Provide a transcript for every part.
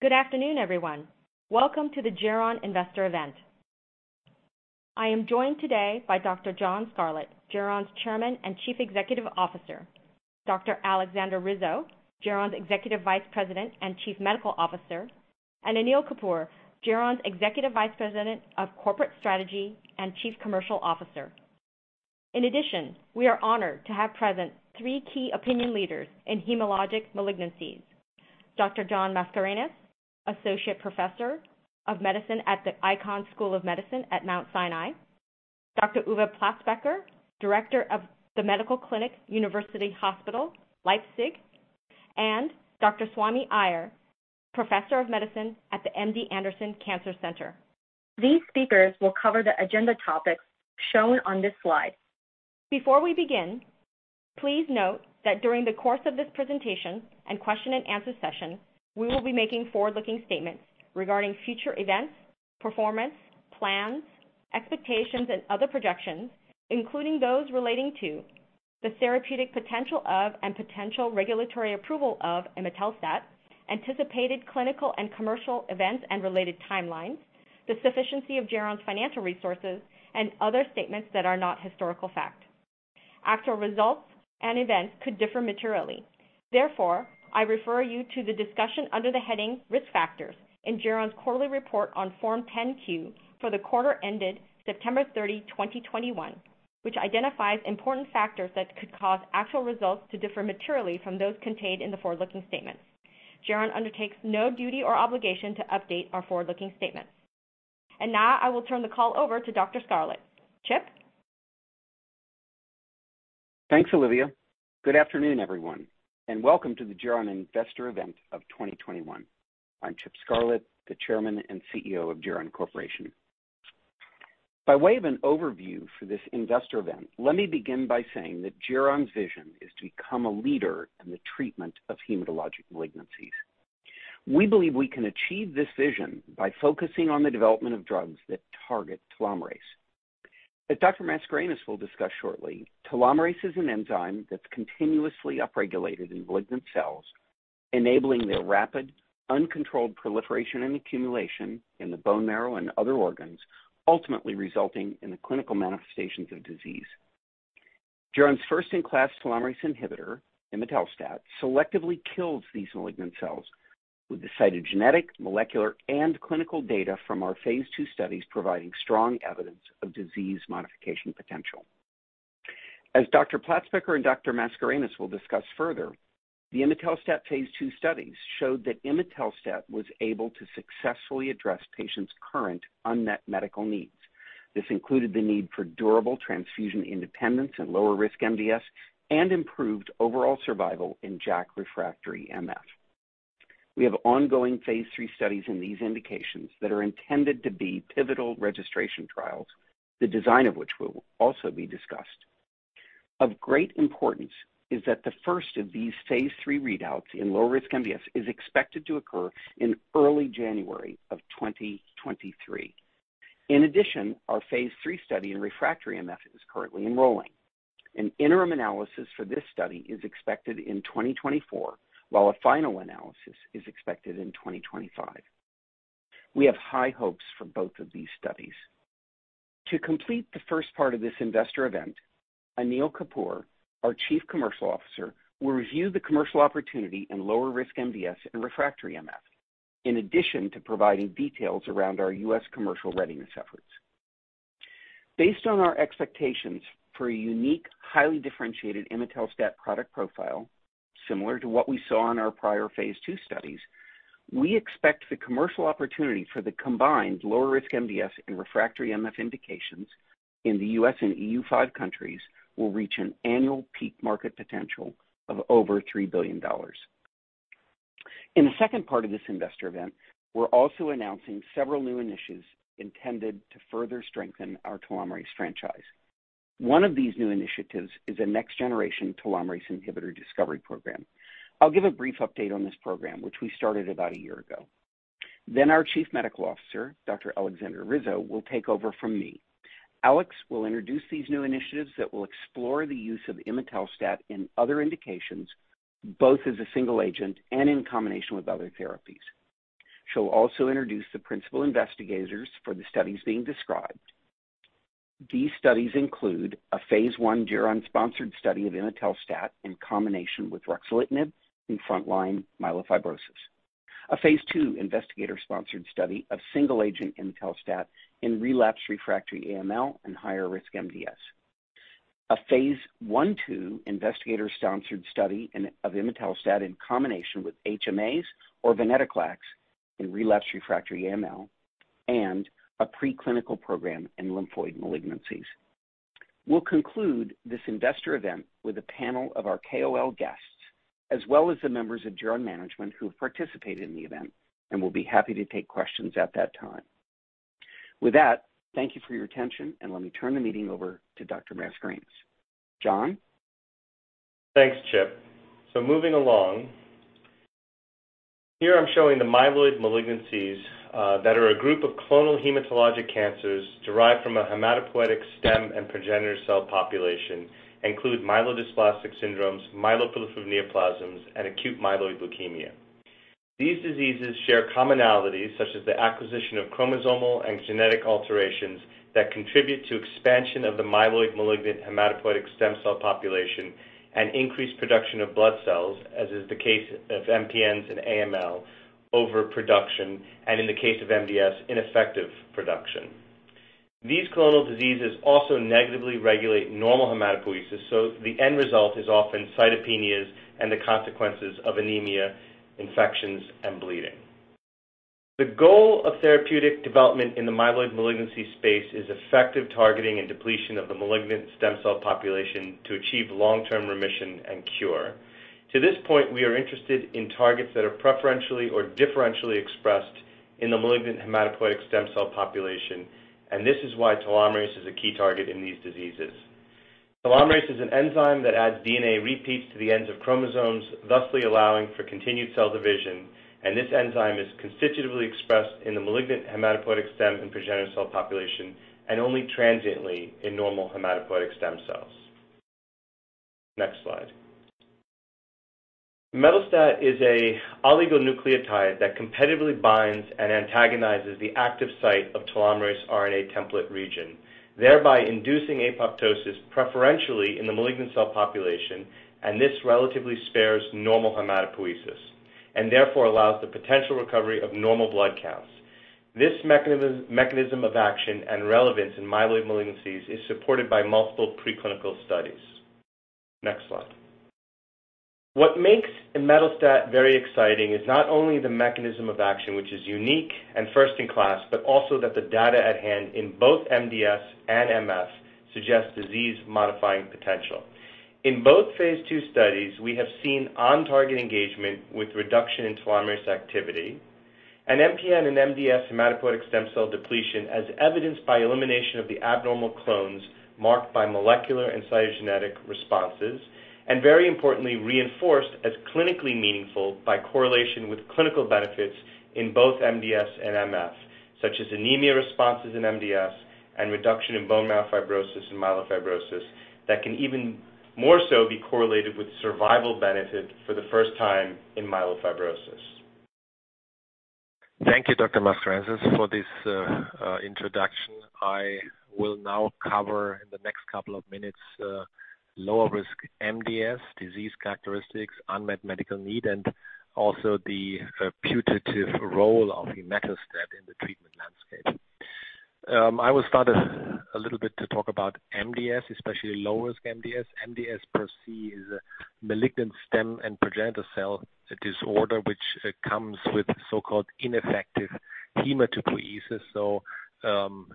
Good afternoon, everyone. Welcome to the Geron Investor Event. I am joined today by Dr. John Scarlett, Geron's Chairman and Chief Executive Officer, Dr. Aleksandra Rizo, Geron's Executive Vice President and Chief Medical Officer, and Anil Kapur, Geron's Executive Vice President of Corporate Strategy and Chief Commercial Officer. In addition, we are honored to have present three key opinion leaders in hematologic malignancies: Dr. John Mascarenhas, Associate Professor of Medicine at the Icahn School of Medicine at Mount Sinai, Dr. Uwe Platzbecker, Director of the Medical Clinic University Hospital, Leipzig, and Dr. Swami Iyer, Professor of Medicine at the MD Anderson Cancer Center. These speakers will cover the agenda topics shown on this slide. Before we begin, please note that during the course of this presentation and question-and-answer session, we will be making forward-looking statements regarding future events, performance, plans, expectations, and other projections, including those relating to the therapeutic potential of and potential regulatory approval of imetelstat, anticipated clinical and commercial events and related timelines, the sufficiency of Geron's financial resources, and other statements that are not historical fact. Actual results and events could differ materially. Therefore, I refer you to the discussion under the heading "Risk Factors" in Geron's quarterly report on form 10-Q for the quarter ended September 30, 2021, which identifies important factors that could cause actual results to differ materially from those contained in the forward-looking statements. Geron undertakes no duty or obligation to update our forward-looking statements. I will turn the call over to Dr. Scarlett. Chip. Thanks, Olivia. Good afternoon, everyone, and welcome to the Geron Investor Event of 2021. I'm Chip Scarlett, the Chairman and CEO of Geron Corporation. By way of an overview for this investor event, let me begin by saying that Geron's vision is to become a leader in the treatment of hematologic malignancies. We believe we can achieve this vision by focusing on the development of drugs that target telomerase. As Dr. Mascarenhas will discuss shortly, telomerase is an enzyme that's continuously upregulated in malignant cells, enabling their rapid, uncontrolled proliferation and accumulation in the bone marrow and other organs, ultimately resulting in the clinical manifestations of disease. Geron's first-in-class telomerase inhibitor, imetelstat, selectively kills these malignant cells with the cytogenetic, molecular, and clinical data from our phase two studies, providing strong evidence of disease modification potential. As Dr. Platzbecker and Dr. Mascarenhas will discuss further, the imetelstat phase two studies showed that imetelstat was able to successfully address patients' current unmet medical needs. This included the need for durable transfusion independence in lower-risk MDS, and improved overall survival in JAK refractory MF. We have ongoing phase three studies in these indications that are intended to be pivotal registration trials, the design of which will also be discussed. Of great importance is that the first of these phase three readouts in lower-risk MDS is expected to occur in early January of 2023. In addition, our phase three study in refractory MF is currently enrolling. An interim analysis for this study is expected in 2024, while a final analysis is expected in 2025. We have high hopes for both of these studies. To complete the first part of this investor event, Anil Kapur, our Chief Commercial Officer, will review the commercial opportunity in lower-risk MDS and refractory MF, in addition to providing details around our U.S. commercial readiness efforts. Based on our expectations for a unique, highly differentiated imetelstat product profile, similar to what we saw in our prior phase two studies, we expect the commercial opportunity for the combined lower-risk MDS and refractory MF indications in the U.S. and EU five countries will reach an annual peak market potential of over $3 billion. In the second part of this investor event, we're also announcing several new initiatives intended to further strengthen our telomerase franchise. One of these new initiatives is a next-generation telomerase inhibitor discovery program. I'll give a brief update on this program, which we started about a year ago. Then our Chief Medical Officer, Dr. Aleksandra Rizo will take over from me. Alex will introduce these new initiatives that will explore the use of imetelstat in other indications, both as a single agent and in combination with other therapies. She'll also introduce the principal investigators for the studies being described. These studies include a phase I Geron-sponsored study of imetelstat in combination with ruxolitinib in frontline myelofibrosis, a phase II investigator-sponsored study of single agent imetelstat in relapsed refractory acute myeloid leukemia and higher-risk myelodysplastic syndromes, a phase I/II investigator-sponsored study of imetelstat in combination with HMAs or venetoclax in relapsed refractory acute myeloid leukemia, and a preclinical program in lymphoid malignancies. We'll conclude this investor event with a panel of our KOL guests, as well as the members of Geron management who have participated in the event, and we'll be happy to take questions at that time. With that, thank you for your attention, and let me turn the meeting over to Dr. Mascarenhas. John. Thanks, Chip. Moving along, here I'm showing the myeloid malignancies that are a group of clonal hematologic cancers derived from a hematopoietic stem and progenitor cell population, include myelodysplastic syndromes, myeloproliferative neoplasms, and acute myeloid leukemia. These diseases share commonalities such as the acquisition of chromosomal and genetic alterations that contribute to expansion of the myeloid malignant hematopoietic stem cell population and increased production of blood cells, as is the case of MPNs and AML overproduction, and in the case of MDS, ineffective production. These clonal diseases also negatively regulate normal hematopoiesis, so the end result is often cytopenias and the consequences of anemia, infections, and bleeding. The goal of therapeutic development in the myeloid malignancy space is effective targeting and depletion of the malignant stem cell population to achieve long-term remission and cure. To this point, we are interested in targets that are preferentially or differentially expressed in the malignant hematopoietic stem cell population, and this is why telomerase is a key target in these diseases. Telomerase is an enzyme that adds DNA repeats to the ends of chromosomes, thusly allowing for continued cell division, and this enzyme is constitutively expressed in the malignant hematopoietic stem and progenitor cell population, and only transiently in normal hematopoietic stem cells. Next slide. Imetelstat is an oligonucleotide that competitively binds and antagonizes the active site of telomerase RNA template region, thereby inducing apoptosis preferentially in the malignant cell population, and this relatively spares normal hematopoiesis, and therefore allows the potential recovery of normal blood counts. This mechanism of action and relevance in myeloid malignancies is supported by multiple preclinical studies. Next slide. What makes imetelstat very exciting is not only the mechanism of action, which is unique and first-in-class, but also that the data at hand in both MDS and MF suggests disease-modifying potential. In both phase two studies, we have seen on-target engagement with reduction in telomerase activity, and MPN and MDS hematopoietic stem cell depletion as evidenced by elimination of the abnormal clones marked by molecular and cytogenetic responses, and very importantly, reinforced as clinically meaningful by correlation with clinical benefits in both MDS and MF, such as anemia responses in MDS and reduction in bone marrow fibrosis and myelofibrosis that can even more so be correlated with survival benefit for the first time in myelofibrosis. Thank you, Dr. Mascarenhas, for this introduction. I will now cover in the next couple of minutes lower-risk MDS, disease characteristics, unmet medical need, and also the putative role of imetelstat in the treatment landscape. I will start a little bit to talk about MDS, especially lower-risk MDS. MDS per se is a malignant stem and progenitor cell disorder which comes with so-called ineffective hematopoiesis, so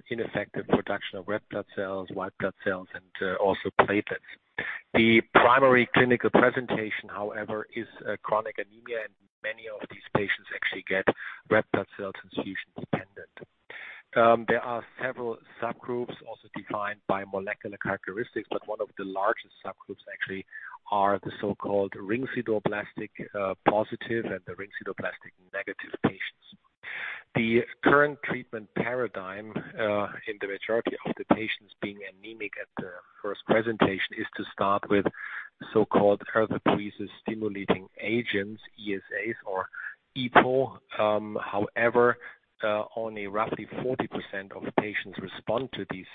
ineffective production of red blood cells, white blood cells, and also platelets. The primary clinical presentation, however, is chronic anemia, and many of these patients actually get red blood cell transfusion dependent. There are several subgroups also defined by molecular characteristics, but one of the largest subgroups actually are the so-called ring sideroblast-positive and the ring sideroblast-negative patients. The current treatment paradigm in the majority of the patients being anemic at the first presentation is to start with so-called erythropoiesis-stimulating agents, ESAs or EPO. However, only roughly 40% of patients respond to these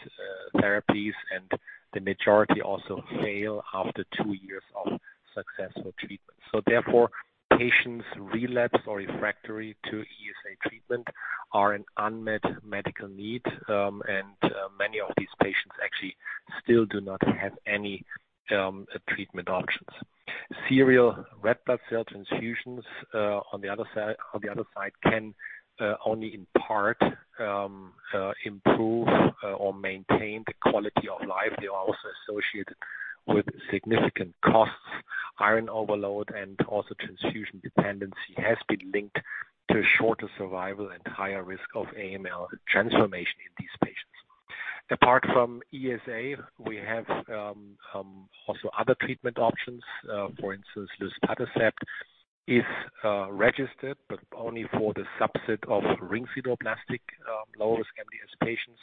therapies, and the majority also fail after two years of successful treatment. Therefore, patients relapse or refractory to ESA treatment are an unmet medical need, and many of these patients actually still do not have any treatment options. Serial red blood cell transfusions on the other side can only in part improve or maintain the quality of life. They are also associated with significant costs. Iron overload and also transfusion dependency has been linked to shorter survival and higher risk of AML transformation in these patients. Apart from ESA, we have also other treatment options. For instance, luspatercept is registered, but only for the subset of ring sideroblast-positive low-risk MDS patients,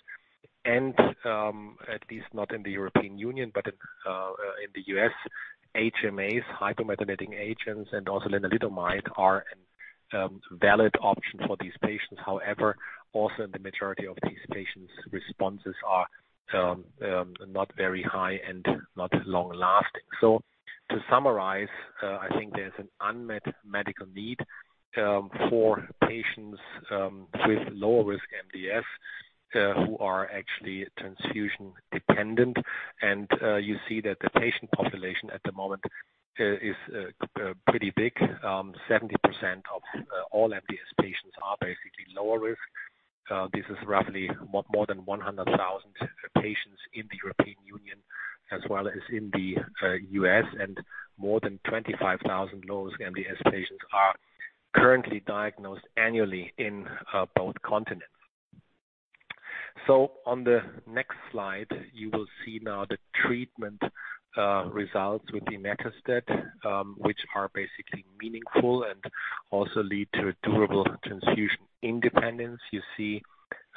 and at least not in the European Union, but in the U.S., HMAs, hypomethylating agents, and also lenalidomide are a valid option for these patients. However, also in the majority of these patients, responses are not very high and not long-lasting. To summarize, I think there's an unmet medical need for patients with lower-risk MDS who are actually transfusion dependent, and you see that the patient population at the moment is pretty big. 70% of all MDS patients are basically lower-risk. This is roughly more than 100,000 patients in the European Union as well as in the U.S., and more than 25,000 low-risk MDS patients are currently diagnosed annually in both continents. On the next slide, you will see now the treatment results with imetelstat, which are basically meaningful and also lead to durable transfusion independence. You see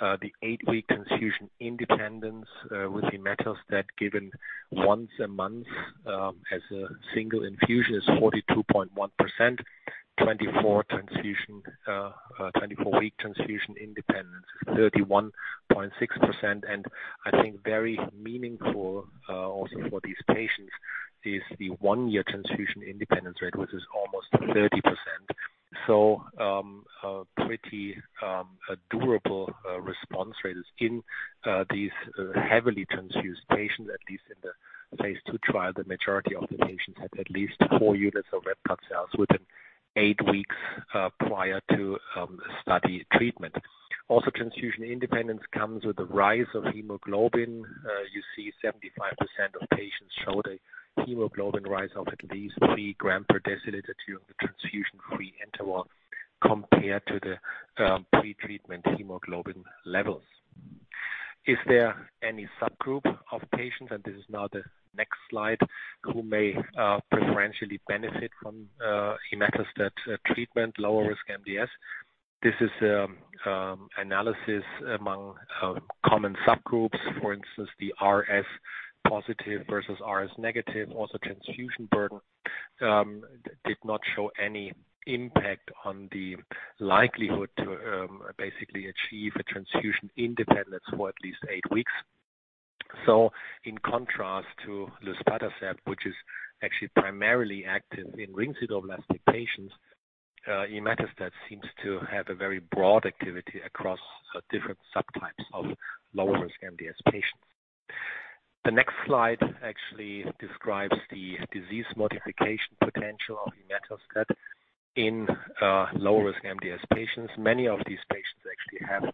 the eight-week transfusion independence with imetelstat given once a month as a single infusion is 42.1%. Twenty-four-week transfusion independence is 31.6%, and I think very meaningful also for these patients is the one-year transfusion independence rate, which is almost 30%. Pretty durable response rate is in these heavily transfused patients, at least in the phase two trial, the majority of the patients had at least four units of red blood cells within eight weeks prior to study treatment. Also, transfusion independence comes with a rise of hemoglobin. You see 75% of patients showed a hemoglobin rise of at least three grams per deciliter during the transfusion-free interval compared to the pretreatment hemoglobin levels. Is there any subgroup of patients, and this is now the next slide, who may preferentially benefit from imetelstat treatment, lower-risk MDS? This is an analysis among common subgroups. For instance, the RS positive versus RS negative, also transfusion burden, did not show any impact on the likelihood to basically achieve a transfusion independence for at least eight weeks. In contrast to luspatercept, which is actually primarily active in ring sideroblast-positive patients, imetelstat seems to have a very broad activity across different subtypes of lower-risk MDS patients. The next slide actually describes the disease modification potential of imetelstat in lower-risk MDS patients. Many of these patients actually have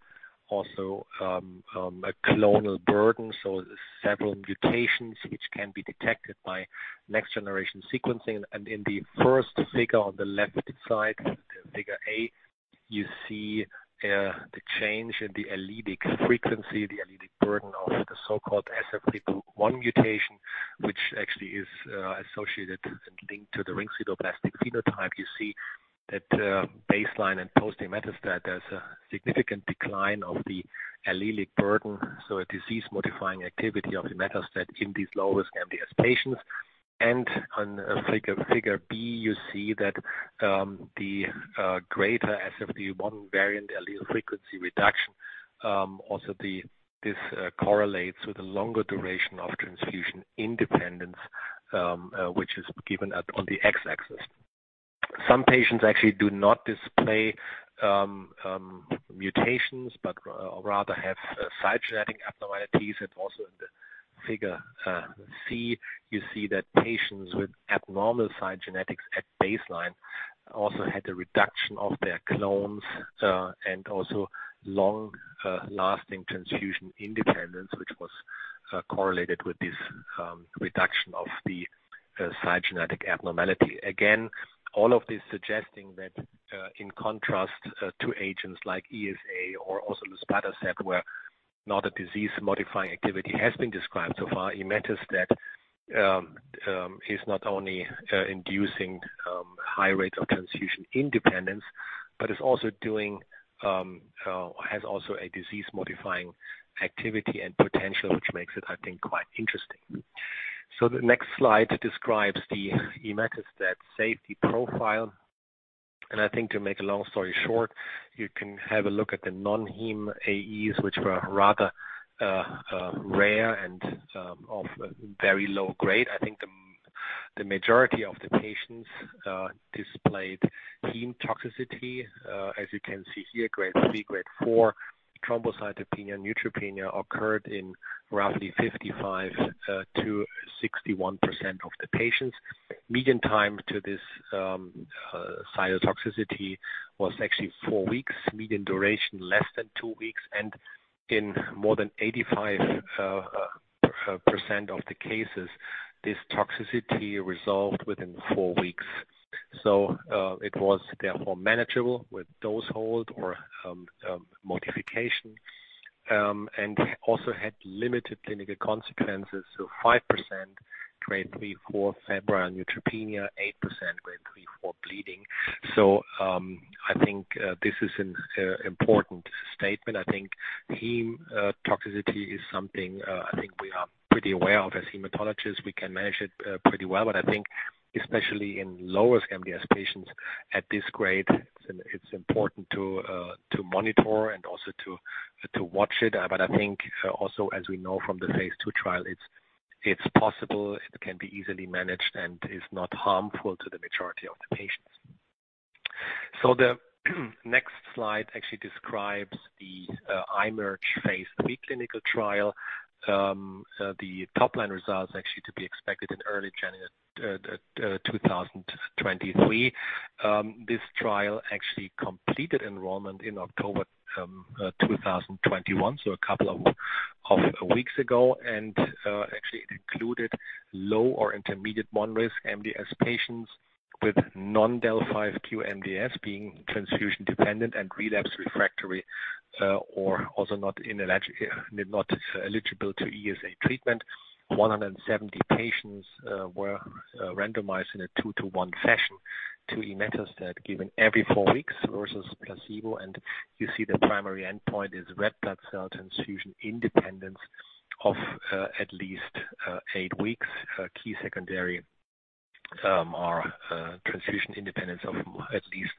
also a clonal burden, so several mutations which can be detected by next-generation sequencing, and in the first figure on the left side, figure A, you see the change in the allelic frequency, the allelic burden of the so-called SF3B1 mutation, which actually is associated and linked to the ring sideroblastic phenotype. You see that baseline and post-imetelstat, there's a significant decline of the allelic burden, so a disease-modifying activity of imetelstat in these low-risk MDS patients, and on figure B, you see that the greater SF3B1 variant allelic frequency reduction also correlates with a longer duration of transfusion independence, which is given on the x-axis. Some patients actually do not display mutations, but rather have cytogenetic abnormalities, and also in the figure C, you see that patients with abnormal cytogenetics at baseline also had a reduction of their clones and also long-lasting transfusion independence, which was correlated with this reduction of the cytogenetic abnormality. Again, all of this suggesting that in contrast to agents like ESA or also luspatercept, where not a disease-modifying activity has been described so far, imetelstat is not only inducing high rates of transfusion independence, but it's also doing or has also a disease-modifying activity and potential, which makes it, I think, quite interesting. The next slide describes the imetelstat safety profile, and I think to make a long story short, you can have a look at the non-HEM AEs, which were rather rare and of very low grade. I think the majority of the patients displayed HEM toxicity, as you can see here, grade three, grade four, thrombocytopenia, neutropenia occurred in roughly 55%-61% of the patients. Median time to this cytotoxicity was actually four weeks, median duration less than two weeks, and in more than 85% of the cases, this toxicity resolved within four weeks. It was therefore manageable with dose hold or modification, and also had limited clinical consequences, 5% grade three, four febrile neutropenia, 8% grade three, four bleeding. I think this is an important statement. I think HEM toxicity is something I think we are pretty aware of as hematologists. We can manage it pretty well, but I think especially in lower-risk MDS patients at this grade, it's important to monitor and also to watch it, but I think also, as we know from the phase two trial, it's possible, it can be easily managed, and is not harmful to the majority of the patients. The next slide actually describes the IMerge phase three clinical trial. The top line results actually to be expected in early 2023. This trial actually completed enrollment in October 2021, so a couple of weeks ago, and actually included low or intermediate one-risk MDS patients with non-del(5q) MDS being transfusion dependent and relapse refractory or also not eligible to ESA treatment. One hundred seventy patients were randomized in a two-to-one fashion to imetelstat given every four weeks versus placebo, and you see the primary endpoint is red blood cell transfusion independence of at least eight weeks. Key secondary are transfusion independence of at least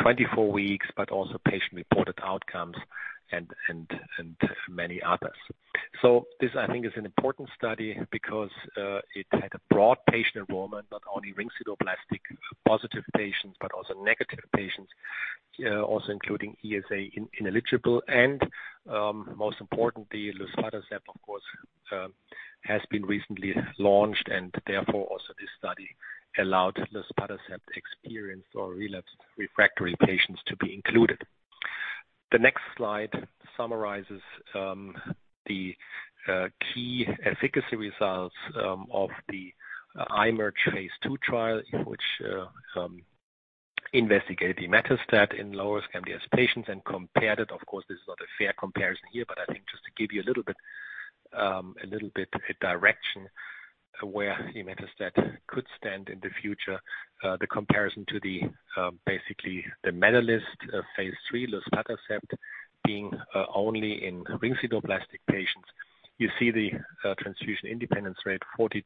24 weeks, but also patient-reported outcomes and many others. I think this is an important study because it had a broad patient enrollment, not only ring sideroblast-positive patients, but also negative patients, also including ESA ineligible, and most importantly, luspatercept, of course, has been recently launched, and therefore also this study allowed luspatercept-experienced or relapsed refractory patients to be included. The next slide summarizes the key efficacy results of the IMerge phase two trial, which investigated imetelstat in lower-risk MDS patients and compared it. Of course, this is not a fair comparison here, but I think just to give you a little bit of direction where imetelstat could stand in the future, the comparison to basically the MEDALIST phase three luspatercept being only in ring sideroblast-positive patients. You see the transfusion independence rate 42%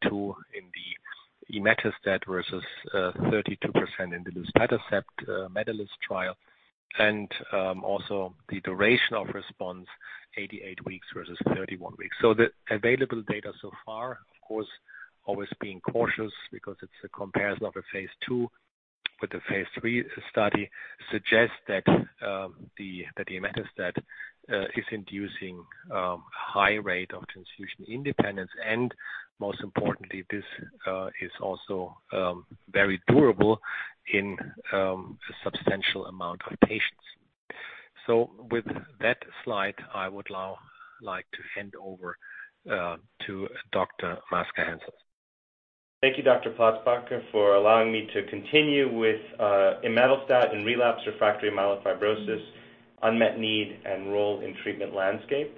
in the imetelstat versus 32% in the luspatercept MEDALIST trial, and also the duration of response, 88 weeks versus 31 weeks. The available data so far, of course, always being cautious because it's a comparison of a phase two with a phase three study, suggests that the imetelstat is inducing a high rate of transfusion independence, and most importantly, this is also very durable in a substantial amount of patients. With that slide, I would now like to hand over to Dr. Mascarenhas. Thank you, Dr. Platzbecker, for allowing me to continue with imetelstat in relapsed refractory myelofibrosis, unmet need, and role in treatment landscape.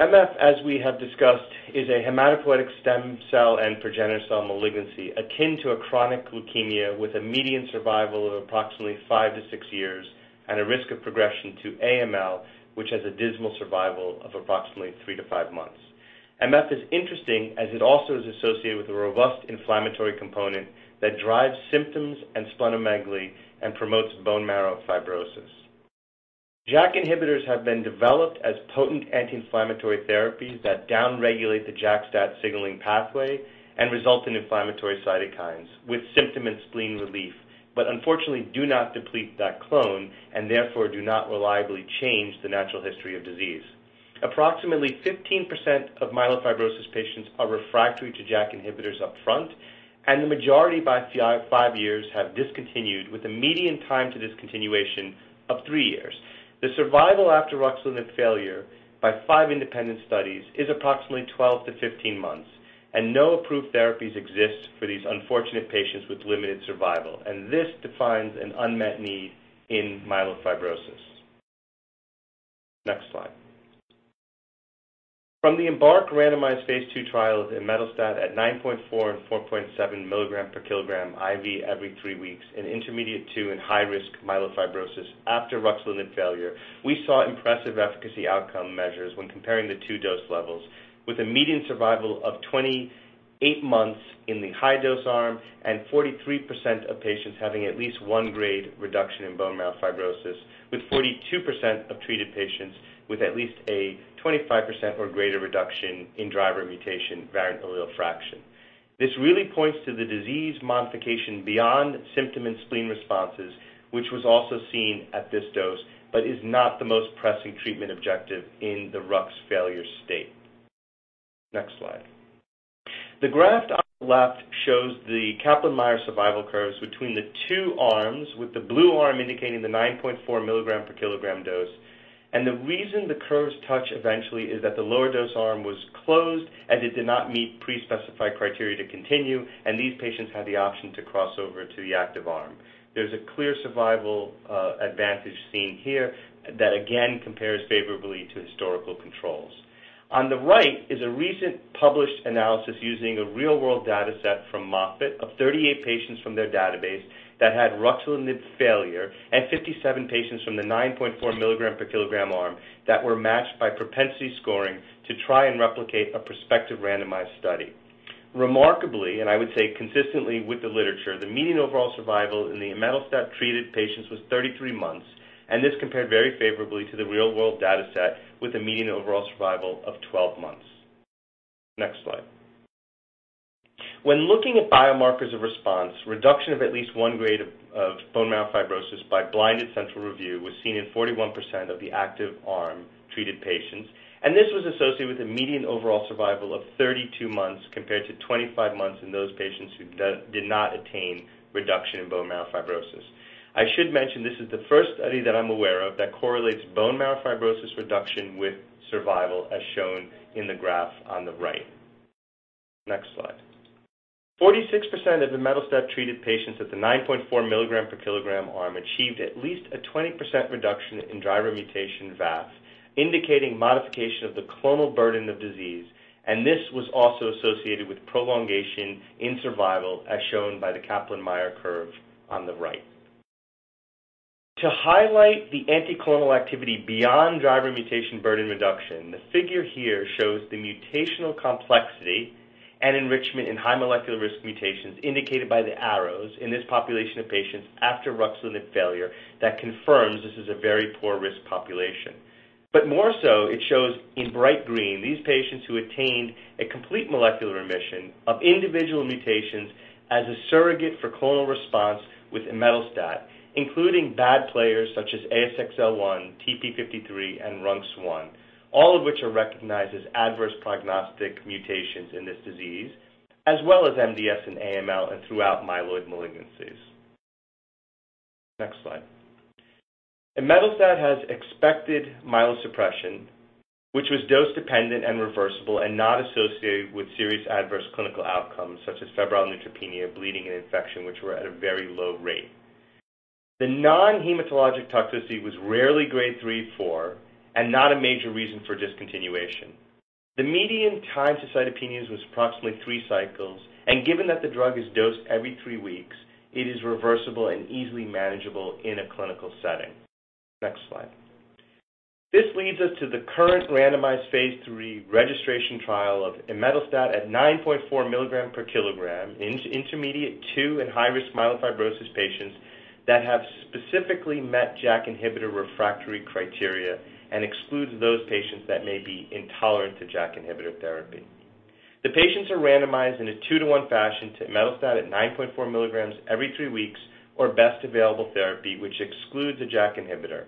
MF, as we have discussed, is a hematopoietic stem cell and progenitor cell malignancy akin to a chronic leukemia with a median survival of approximately five to six years and a risk of progression to AML, which has a dismal survival of approximately three to five months. MF is interesting as it also is associated with a robust inflammatory component that drives symptoms and splenomegaly and promotes bone marrow fibrosis. JAK inhibitors have been developed as potent anti-inflammatory therapies that downregulate the JAK stat signaling pathway and result in inflammatory cytokines with symptom and spleen relief, but unfortunately do not deplete that clone and therefore do not reliably change the natural history of disease. Approximately 15% of myelofibrosis patients are refractory to JAK inhibitors upfront, and the majority by five years have discontinued with a median time to discontinuation of three years. The survival after ruxolitinib failure by five independent studies is approximately 12-15 months, and no approved therapies exist for these unfortunate patients with limited survival, and this defines an unmet need in myelofibrosis. Next slide. From the EMBARK randomized phase two trial of imetelstat at 9.4 and 4.7 mg per kg IV every three weeks in intermediate-2 and high-risk myelofibrosis after ruxolitinib failure, we saw impressive efficacy outcome measures when comparing the two dose levels with a median survival of 28 months in the high-dose arm and 43% of patients having at least one-grade reduction in bone marrow fibrosis, with 42% of treated patients with at least a 25% or greater reduction in driver mutation variant allele frequency. This really points to the disease modification beyond symptom and spleen responses, which was also seen at this dose, but is not the most pressing treatment objective in the Rux failure state. Next slide. The graph on the left shows the Kaplan-Meier survival curves between the two arms, with the blue arm indicating the 9.4 milligram per kg dose, and the reason the curves touch eventually is that the lower-dose arm was closed as it did not meet pre-specified criteria to continue, and these patients had the option to cross over to the active arm. There's a clear survival advantage seen here that again compares favorably to historical controls. On the right is a recent published analysis using a real-world data set from Moffitt of 38 patients from their database that had ruxolitinib failure and 57 patients from the 9.4 mg per kg arm that were matched by propensity scoring to try and replicate a prospective randomized study. Remarkably, and I would say consistently with the literature, the median overall survival in the imetelstat treated patients was 33 months, and this compared very favorably to the real-world data set with a median overall survival of 12 months. Next slide. When looking at biomarkers of response, reduction of at least one grade of bone marrow fibrosis by blinded central review was seen in 41% of the active arm treated patients, and this was associated with a median overall survival of 32 months compared to 25 months in those patients who did not attain reduction in bone marrow fibrosis. I should mention this is the first study that I'm aware of that correlates bone marrow fibrosis reduction with survival as shown in the graph on the right. Next slide. 46% of imetelstat treated patients at the 9.4 mg per kg arm achieved at least a 20% reduction in driver mutation VAF, indicating modification of the clonal burden of disease, and this was also associated with prolongation in survival as shown by the Kaplan-Meier curve on the right. To highlight the anti-clonal activity beyond driver mutation burden reduction, the figure here shows the mutational complexity and enrichment in high molecular risk mutations indicated by the arrows in this population of patients after ruxolitinib failure that confirms this is a very poor risk population. More so, it shows in bright green these patients who attained a complete molecular remission of individual mutations as a surrogate for clonal response with imetelstat, including bad players such as ASXL1, TP53, and RUNX1, all of which are recognized as adverse prognostic mutations in this disease, as well as MDS and AML and throughout myeloid malignancies. Next slide. Imetelstat has expected myelosuppression, which was dose-dependent and reversible and not associated with serious adverse clinical outcomes such as febrile neutropenia, bleeding, and infection, which were at a very low rate. The non-hematologic toxicity was rarely grade three, four, and not a major reason for discontinuation. The median time to cytopenias was approximately three cycles, and given that the drug is dosed every three weeks, it is reversible and easily manageable in a clinical setting. Next slide. This leads us to the current randomized phase three registration trial of imetelstat at 9.4 mg per kg in intermediate two and high-risk myelofibrosis patients that have specifically met JAK inhibitor refractory criteria and excludes those patients that may be intolerant to JAK inhibitor therapy. The patients are randomized in a two-to-one fashion to imetelstat at 9.4 mg every three weeks or best available therapy, which excludes a JAK inhibitor.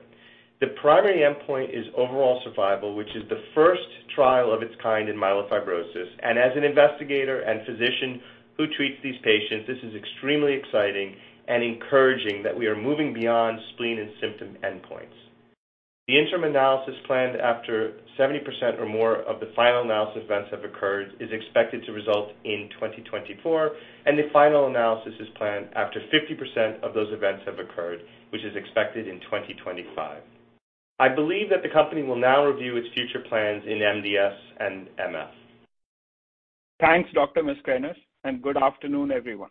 The primary endpoint is overall survival, which is the first trial of its kind in myelofibrosis, and as an investigator and physician who treats these patients, this is extremely exciting and encouraging that we are moving beyond spleen and symptom endpoints. The interim analysis planned after 70% or more of the final analysis events have occurred is expected to result in 2024, and the final analysis is planned after 50% of those events have occurred, which is expected in 2025. I believe that the company will now review its future plans in MDS and MF. Thanks, Dr. Mascarenhas, and good afternoon, everyone.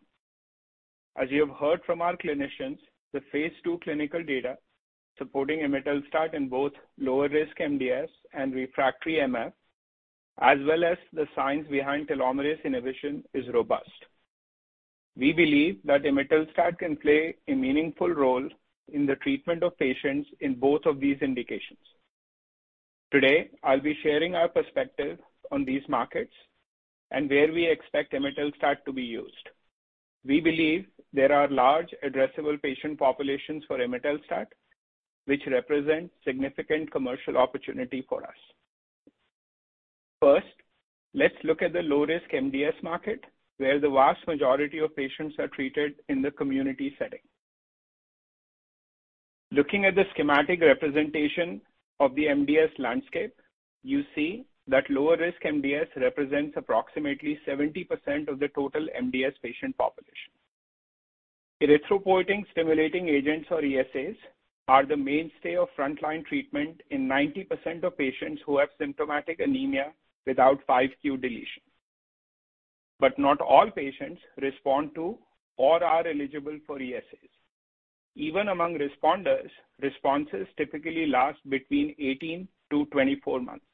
As you have heard from our clinicians, the phase two clinical data supporting imetelstat in both lower-risk MDS and refractory MF, as well as the science behind telomerase inhibition, is robust. We believe that imetelstat can play a meaningful role in the treatment of patients in both of these indications. Today, I'll be sharing our perspective on these markets and where we expect imetelstat to be used. We believe there are large addressable patient populations for imetelstat, which represents significant commercial opportunity for us. First, let's look at the lower-risk MDS market, where the vast majority of patients are treated in the community setting. Looking at the schematic representation of the MDS landscape, you see that lower-risk MDS represents approximately 70% of the total MDS patient population. Erythropoietin stimulating agents, or ESAs, are the mainstay of frontline treatment in 90% of patients who have symptomatic anemia without 5q deletion. Not all patients respond to or are eligible for ESAs. Even among responders, responses typically last between 18-24 months.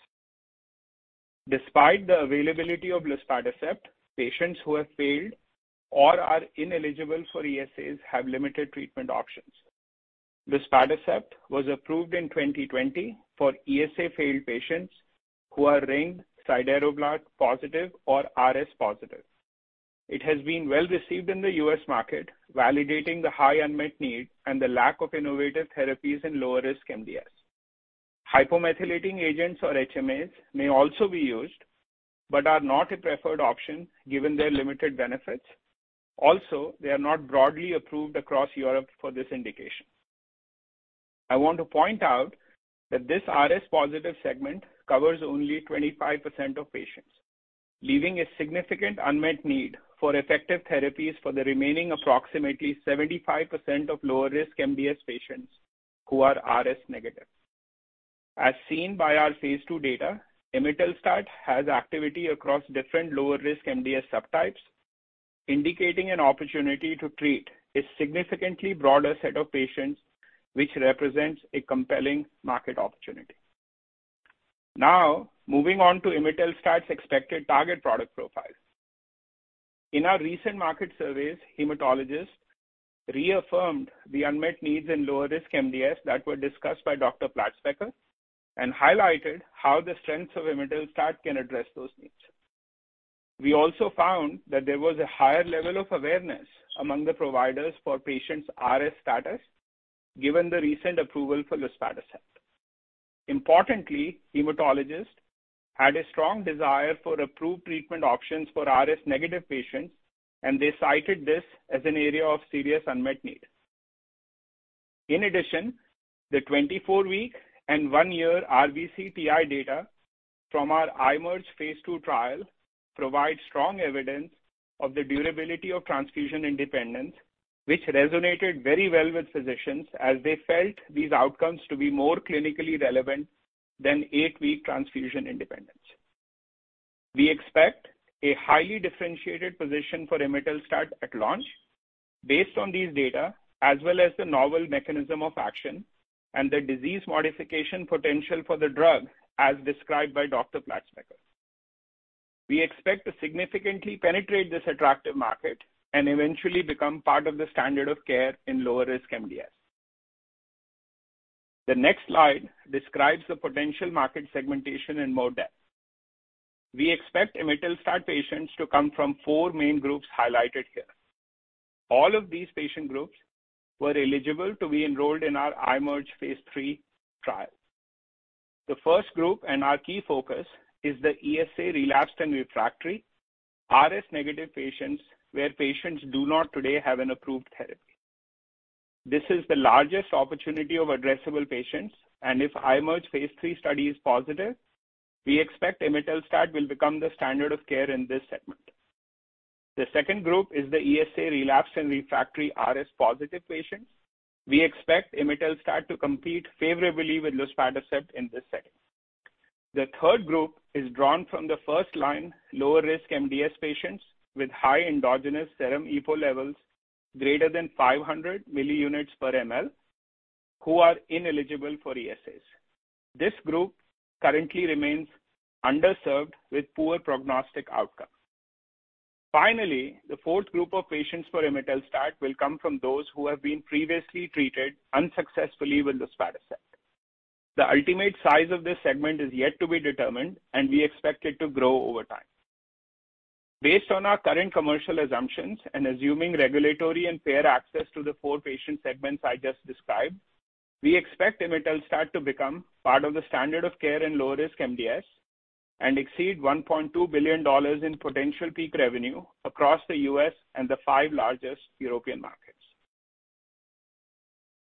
Despite the availability of luspatercept, patients who have failed or are ineligible for ESAs have limited treatment options. Luspatercept was approved in 2020 for ESA-failed patients who are ring sideroblast-positive, or RS positive. It has been well received in the US market, validating the high unmet need and the lack of innovative therapies in lower-risk MDS. Hypomethylating agents, or HMAs, may also be used but are not a preferred option given their limited benefits. Also, they are not broadly approved across Europe for this indication. I want to point out that this RS positive segment covers only 25% of patients, leaving a significant unmet need for effective therapies for the remaining approximately 75% of lower-risk MDS patients who are RS negative. As seen by our phase two data, imetelstat has activity across different lower-risk MDS subtypes, indicating an opportunity to treat a significantly broader set of patients, which represents a compelling market opportunity. Now, moving on to imetelstat's expected target product profile. In our recent market surveys, hematologists reaffirmed the unmet needs in lower-risk MDS that were discussed by Dr. Platzbecker and highlighted how the strengths of imetelstat can address those needs. We also found that there was a higher level of awareness among the providers for patients' RS status, given the recent approval for luspatercept. Importantly, hematologists had a strong desire for approved treatment options for RS negative patients, and they cited this as an area of serious unmet need. In addition, the 24-week and one-year RBC-TI data from our IMerge phase two trial provide strong evidence of the durability of transfusion independence, which resonated very well with physicians as they felt these outcomes to be more clinically relevant than eight-week transfusion independence. We expect a highly differentiated position for imetelstat at launch based on these data, as well as the novel mechanism of action and the disease modification potential for the drug as described by Dr. Platzbecker. We expect to significantly penetrate this attractive market and eventually become part of the standard of care in lower-risk MDS. The next slide describes the potential market segmentation in more depth. We expect imetelstat patients to come from four main groups highlighted here. All of these patient groups were eligible to be enrolled in our IMerge phase three trial. The first group and our key focus is the ESA relapsed and refractory RS negative patients where patients do not today have an approved therapy. This is the largest opportunity of addressable patients, and if IMerge phase three study is positive, we expect imetelstat will become the standard of care in this segment. The second group is the ESA relapsed and refractory RS positive patients. We expect imetelstat to compete favorably with luspatercept in this setting. The third group is drawn from the first line lower-risk MDS patients with high endogenous serum EPO levels greater than 500 milliunits per mL who are ineligible for ESAs. This group currently remains underserved with poor prognostic outcome. Finally, the fourth group of patients for imetelstat will come from those who have been previously treated unsuccessfully with luspatercept. The ultimate size of this segment is yet to be determined, and we expect it to grow over time. Based on our current commercial assumptions and assuming regulatory and fair access to the four patient segments I just described, we expect imetelstat to become part of the standard of care in lower-risk MDS and exceed $1.2 billion in potential peak revenue across the U.S. and the five largest European markets.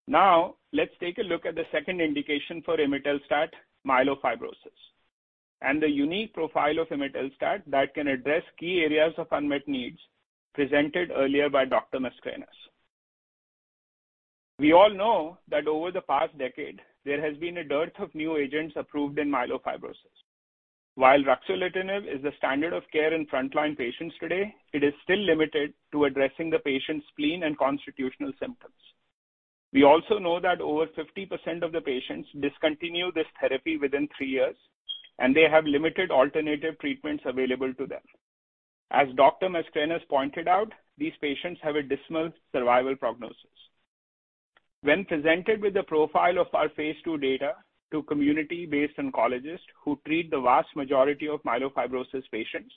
Now, let's take a look at the second indication for imetelstat, myelofibrosis, and the unique profile of imetelstat that can address key areas of unmet needs presented earlier by Dr. Mascarenhas. We all know that over the past decade, there has been a dearth of new agents approved in myelofibrosis. While ruxolitinib is the standard of care in frontline patients today, it is still limited to addressing the patient's spleen and constitutional symptoms. We also know that over 50% of the patients discontinue this therapy within three years, and they have limited alternative treatments available to them. As Dr. Mascarenhas pointed out, these patients have a dismal survival prognosis. When presented with the profile of our phase two data to community-based oncologists who treat the vast majority of myelofibrosis patients,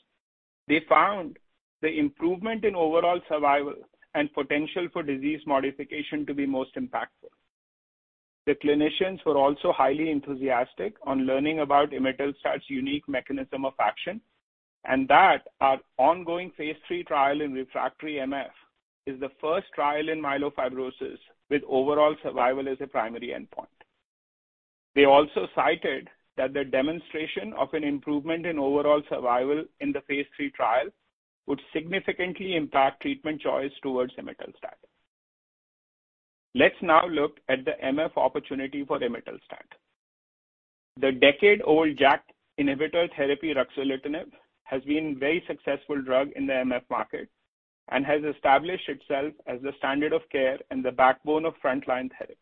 they found the improvement in overall survival and potential for disease modification to be most impactful. The clinicians were also highly enthusiastic on learning about imetelstat's unique mechanism of action and that our ongoing phase three trial in refractory MF is the first trial in myelofibrosis with overall survival as a primary endpoint. They also cited that the demonstration of an improvement in overall survival in the phase three trial would significantly impact treatment choice towards imetelstat. Let's now look at the MF opportunity for imetelstat. The decade-old JAK inhibitor therapy ruxolitinib has been a very successful drug in the MF market and has established itself as the standard of care and the backbone of frontline therapy.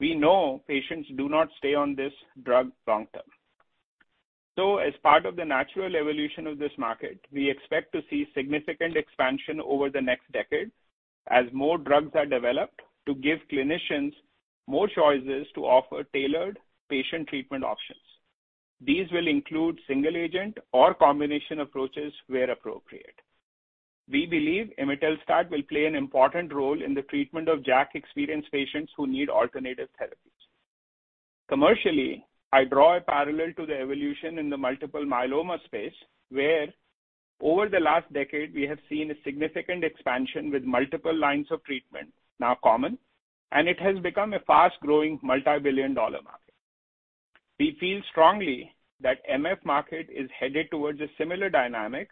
We know patients do not stay on this drug long-term. As part of the natural evolution of this market, we expect to see significant expansion over the next decade as more drugs are developed to give clinicians more choices to offer tailored patient treatment options. These will include single-agent or combination approaches where appropriate. We believe imetelstat will play an important role in the treatment of JAK-experienced patients who need alternative therapies. Commercially, I draw a parallel to the evolution in the multiple myeloma space where over the last decade, we have seen a significant expansion with multiple lines of treatment now common, and it has become a fast-growing multi-billion dollar market. We feel strongly that the MF market is headed towards a similar dynamic,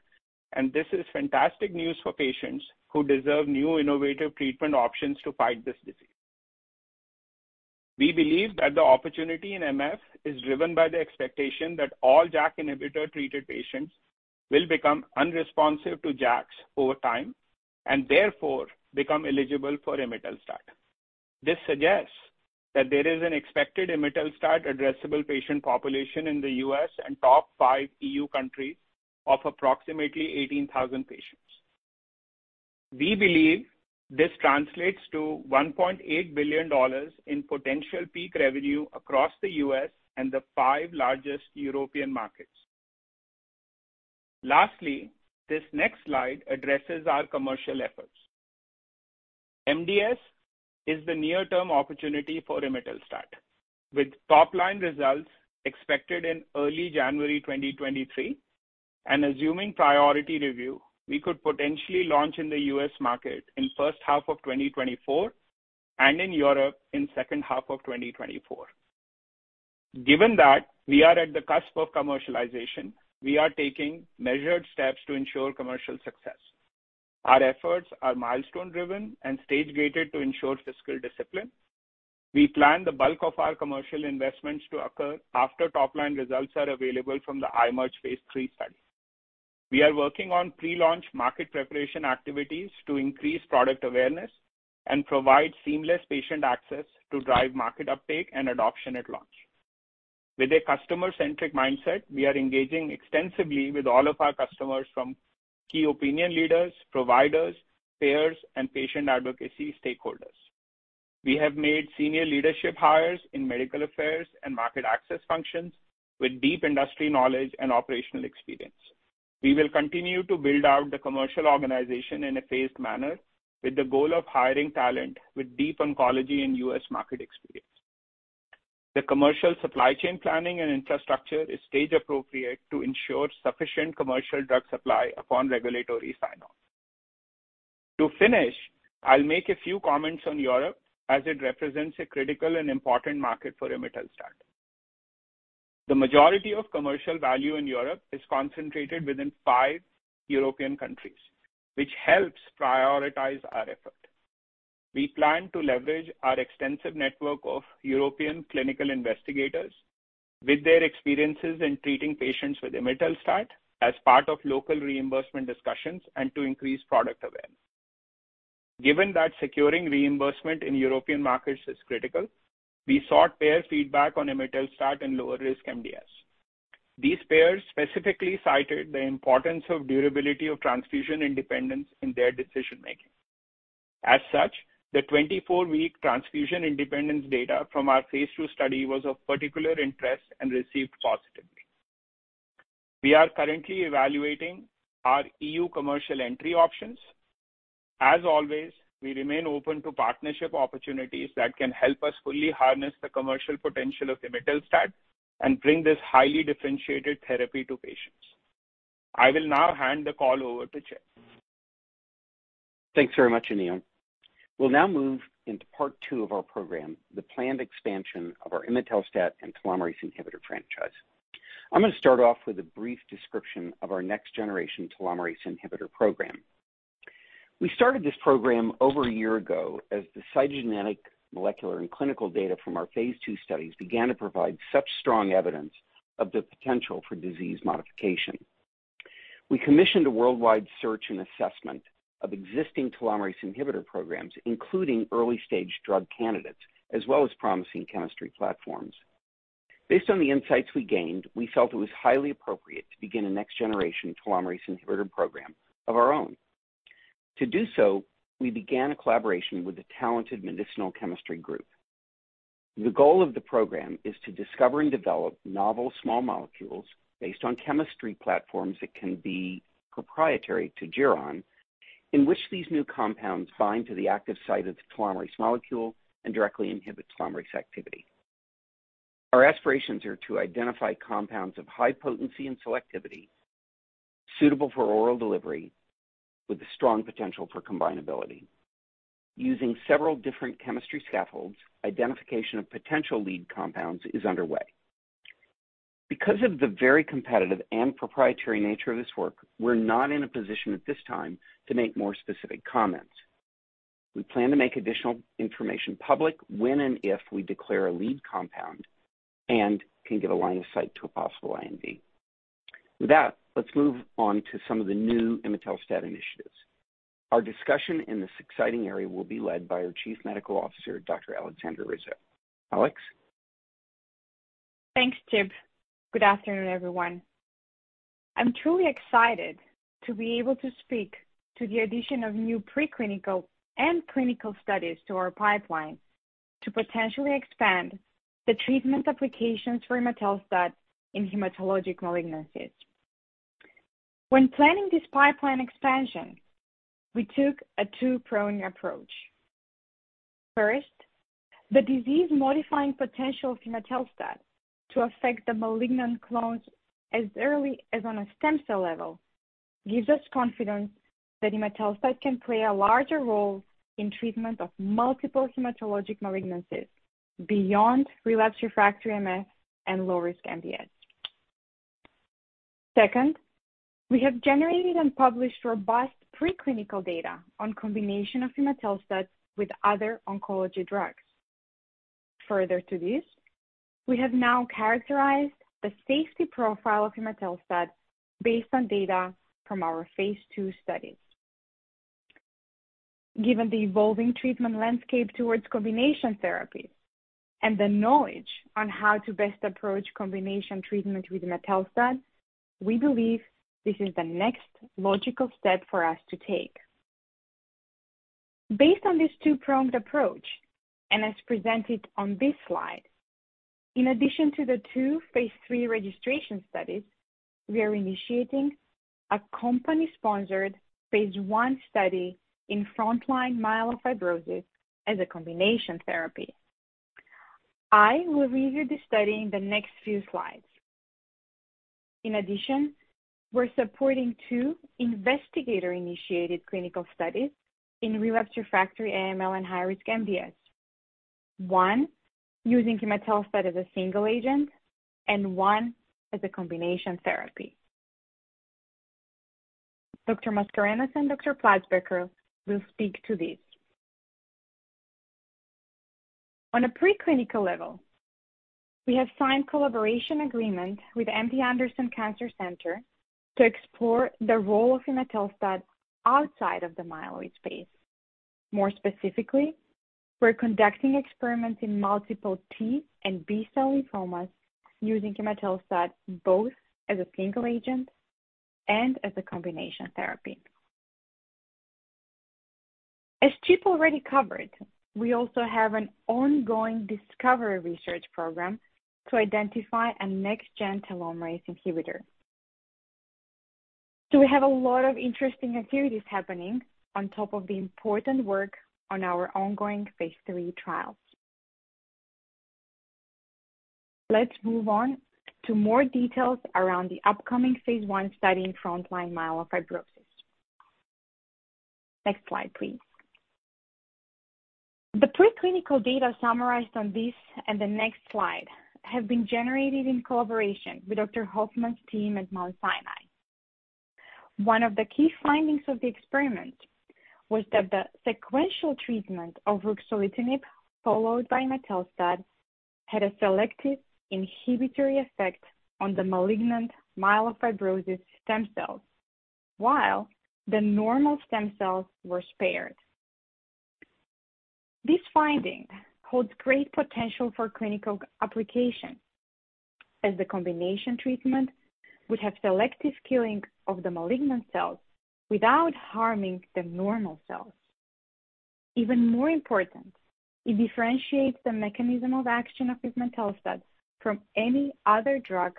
and this is fantastic news for patients who deserve new innovative treatment options to fight this disease. We believe that the opportunity in MF is driven by the expectation that all JAK inhibitor-treated patients will become unresponsive to JAKs over time and therefore become eligible for imetelstat. This suggests that there is an expected imetelstat addressable patient population in the U.S. and top five European Union countries of approximately 18,000 patients. We believe this translates to $1.8 billion in potential peak revenue across the U.S. and the five largest European markets. Lastly, this next slide addresses our commercial efforts. MDS is the near-term opportunity for imetelstat. With top-line results expected in early January 2023 and assuming priority review, we could potentially launch in the U.S. market in the first half of 2024 and in Europe in the second half of 2024. Given that we are at the cusp of commercialization, we are taking measured steps to ensure commercial success. Our efforts are milestone-driven and stage-gated to ensure fiscal discipline. We plan the bulk of our commercial investments to occur after top-line results are available from the IMerge phase three study. We are working on pre-launch market preparation activities to increase product awareness and provide seamless patient access to drive market uptake and adoption at launch. With a customer-centric mindset, we are engaging extensively with all of our customers from key opinion leaders, providers, payers, and patient advocacy stakeholders. We have made senior leadership hires in medical affairs and market access functions with deep industry knowledge and operational experience. We will continue to build out the commercial organization in a phased manner with the goal of hiring talent with deep oncology and U.S. market experience. The commercial supply chain planning and infrastructure is stage-appropriate to ensure sufficient commercial drug supply upon regulatory sign-off. To finish, I'll make a few comments on Europe as it represents a critical and important market for imetelstat. The majority of commercial value in Europe is concentrated within five European countries, which helps prioritize our effort. We plan to leverage our extensive network of European clinical investigators with their experiences in treating patients with imetelstat as part of local reimbursement discussions and to increase product awareness. Given that securing reimbursement in European markets is critical, we sought payer feedback on imetelstat in lower-risk MDS. These payers specifically cited the importance of durability of transfusion independence in their decision-making. As such, the 24-week transfusion independence data from our phase two study was of particular interest and received positively. We are currently evaluating our EU commercial entry options. As always, we remain open to partnership opportunities that can help us fully harness the commercial potential of imetelstat and bring this highly differentiated therapy to patients. I will now hand the call over to Chip. Thanks very much, Anil. We'll now move into part two of our program, the planned expansion of our imetelstat and telomerase inhibitor franchise. I'm going to start off with a brief description of our next-generation telomerase inhibitor program. We started this program over a year ago as the cytogenetic, molecular, and clinical data from our phase two studies began to provide such strong evidence of the potential for disease modification. We commissioned a worldwide search and assessment of existing telomerase inhibitor programs, including early-stage drug candidates, as well as promising chemistry platforms. Based on the insights we gained, we felt it was highly appropriate to begin a next-generation telomerase inhibitor program of our own. To do so, we began a collaboration with a talented medicinal chemistry group. The goal of the program is to discover and develop novel small molecules based on chemistry platforms that can be proprietary to Geron, in which these new compounds bind to the active site of the telomerase molecule and directly inhibit telomerase activity. Our aspirations are to identify compounds of high potency and selectivity, suitable for oral delivery, with a strong potential for combinability. Using several different chemistry scaffolds, identification of potential lead compounds is underway. Because of the very competitive and proprietary nature of this work, we're not in a position at this time to make more specific comments. We plan to make additional information public when and if we declare a lead compound and can give a line of sight to a possible IND. With that, let's move on to some of the new imetelstat initiatives. Our discussion in this exciting area will be led by our Chief Medical Officer, Dr. Aleksandra Rizo. Alex? Thanks, Chip. Good afternoon, everyone. I'm truly excited to be able to speak to the addition of new preclinical and clinical studies to our pipeline to potentially expand the treatment applications for imetelstat in hematologic malignancies. When planning this pipeline expansion, we took a two-pronged approach. First, the disease-modifying potential of imetelstat to affect the malignant clones as early as on a stem cell level gives us confidence that imetelstat can play a larger role in treatment of multiple hematologic malignancies beyond relapsed refractory myelofibrosis and lower-risk MDS. Second, we have generated and published robust preclinical data on combination of imetelstat with other oncology drugs. Further to this, we have now characterized the safety profile of imetelstat based on data from our phase two studies. Given the evolving treatment landscape towards combination therapies and the knowledge on how to best approach combination treatment with imetelstat, we believe this is the next logical step for us to take. Based on this two-pronged approach, and as presented on this slide, in addition to the two phase three registration studies, we are initiating a company-sponsored phase one study in frontline myelofibrosis as a combination therapy. I will read you the study in the next few slides. In addition, we're supporting two investigator-initiated clinical studies in relapsed refractory AML and high-risk MDS, one using imetelstat as a single agent and one as a combination therapy. Dr. Mascarenhas and Dr. Platzbecker will speak to this. On a preclinical level, we have signed a collaboration agreement with MD Anderson Cancer Center to explore the role of imetelstat outside of the myeloid space. More specifically, we're conducting experiments in multiple T and B-cell lymphomas using imetelstat both as a single agent and as a combination therapy. As Chip already covered, we also have an ongoing discovery research program to identify a next-gen telomerase inhibitor. We have a lot of interesting activities happening on top of the important work on our ongoing phase three trials. Let's move on to more details around the upcoming phase I study in frontline myelofibrosis. Next slide, please. The preclinical data summarized on this and the next slide have been generated in collaboration with Dr. Hoffmann's team at Mount Sinai. One of the key findings of the experiment was that the sequential treatment of ruxolitinib followed by imetelstat had a selective inhibitory effect on the malignant myelofibrosis stem cells, while the normal stem cells were spared. This finding holds great potential for clinical application as the combination treatment would have selective killing of the malignant cells without harming the normal cells. Even more important, it differentiates the mechanism of action of imetelstat from any other drug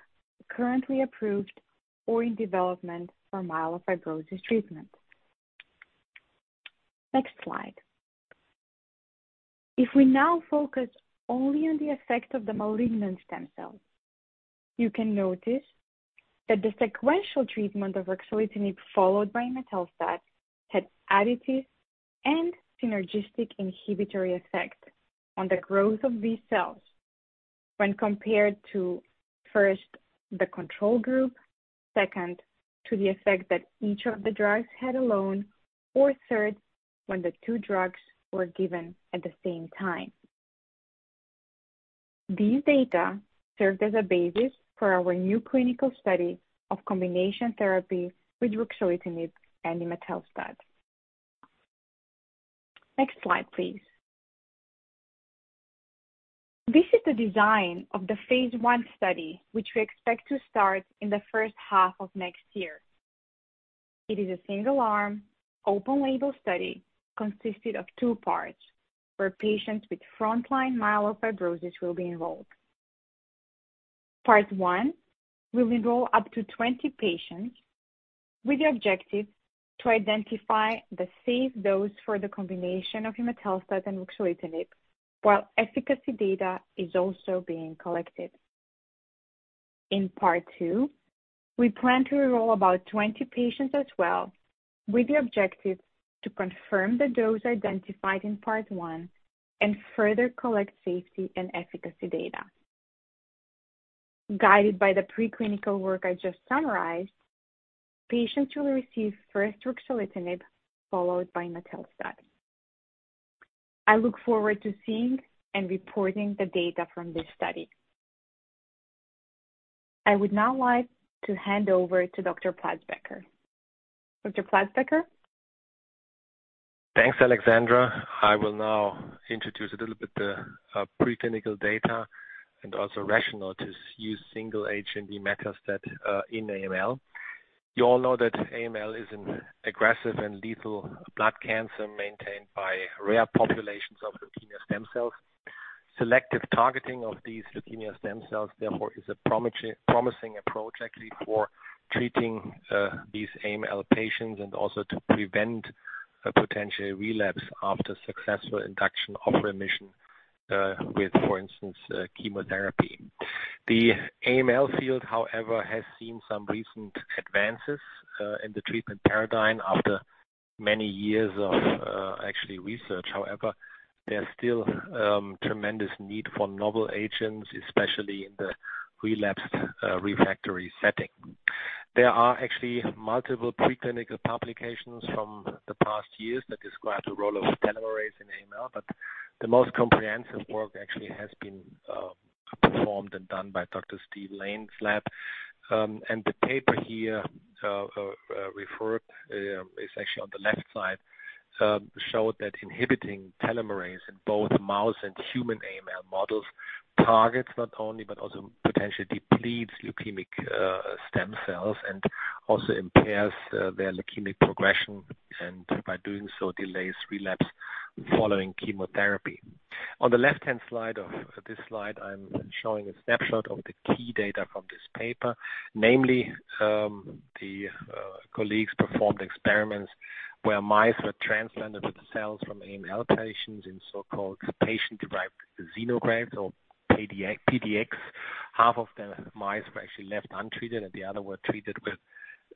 currently approved or in development for myelofibrosis treatment. Next slide. If we now focus only on the effect of the malignant stem cells, you can notice that the sequential treatment of ruxolitinib followed by imetelstat had additive and synergistic inhibitory effect on the growth of these cells when compared to, first, the control group, second, to the effect that each of the drugs had alone, or third, when the two drugs were given at the same time. These data served as a basis for our new clinical study of combination therapy with ruxolitinib and imetelstat. Next slide, please. This is the design of the phase one study, which we expect to start in the first half of next year. It is a single-arm, open-label study consisting of two parts where patients with frontline myelofibrosis will be enrolled. Part one will enroll up to 20 patients with the objective to identify the safe dose for the combination of imetelstat and ruxolitinib, while efficacy data is also being collected. In part two, we plan to enroll about 20 patients as well with the objective to confirm the dose identified in part one and further collect safety and efficacy data. Guided by the preclinical work I just summarized, patients will receive first ruxolitinib followed by imetelstat. I look forward to seeing and reporting the data from this study. I would now like to hand over to Dr. Platzbecker. Dr. Platzbecker? Thanks, Aleksandra. I will now introduce a little bit of preclinical data and also rationale to use single-agent imetelstat in AML. You all know that AML is an aggressive and lethal blood cancer maintained by rare populations of leukemia stem cells. Selective targeting of these leukemia stem cells, therefore, is a promising approach actually for treating these AML patients and also to prevent potential relapse after successful induction of remission with, for instance, chemotherapy. The AML field, however, has seen some recent advances in the treatment paradigm after many years of actually research. However, there's still tremendous need for novel agents, especially in the relapsed refractory setting. There are actually multiple preclinical publications from the past years that describe the role of telomerase in AML, but the most comprehensive work actually has been performed and done by Dr. Steve Lane's lab. The paper here referred, it's actually on the left side, showed that inhibiting telomerase in both mouse and human AML models targets not only, but also potentially depletes leukemic stem cells and also impairs their leukemic progression and by doing so delays relapse following chemotherapy. On the left-hand side of this slide, I'm showing a snapshot of the key data from this paper, namely the colleagues performed experiments where mice were transplanted with cells from AML patients in so-called patient-derived xenografts or PDX. Half of the mice were actually left untreated, and the other were treated with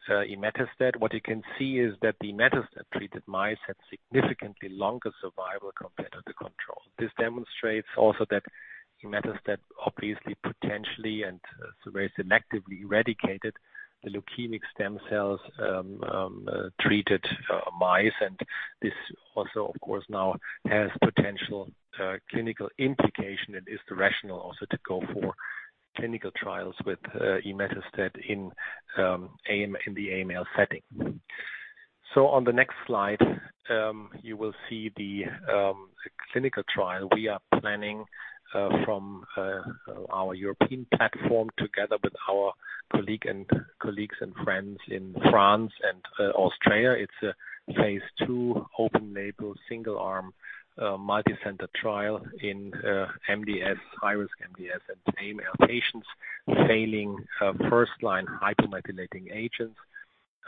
imetelstat. What you can see is that the imetelstat-treated mice had significantly longer survival compared to the control. This demonstrates also that imetelstat obviously potentially and very selectively eradicated the leukemic stem cells treated mice, and this also, of course, now has potential clinical implication and is the rationale also to go for clinical trials with imetelstat in the AML setting. On the next slide, you will see the clinical trial we are planning from our European platform together with our colleagues and friends in France and Australia. It's a phase two open-label single-arm multicenter trial in MDS, high-risk MDS and AML patients failing first-line hypomethylating agents.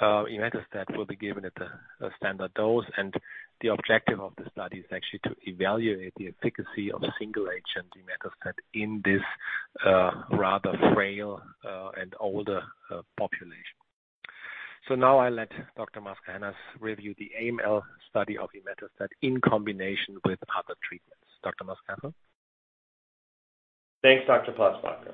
Imetelstat will be given at the standard dose, and the objective of the study is actually to evaluate the efficacy of single-agent imetelstat in this rather frail and older population. Now I'll let Dr. Mascarenhas review the AML study of imetelstat in combination with other treatments. Dr. Mascarenhas? Thanks, Dr. Platzbecker.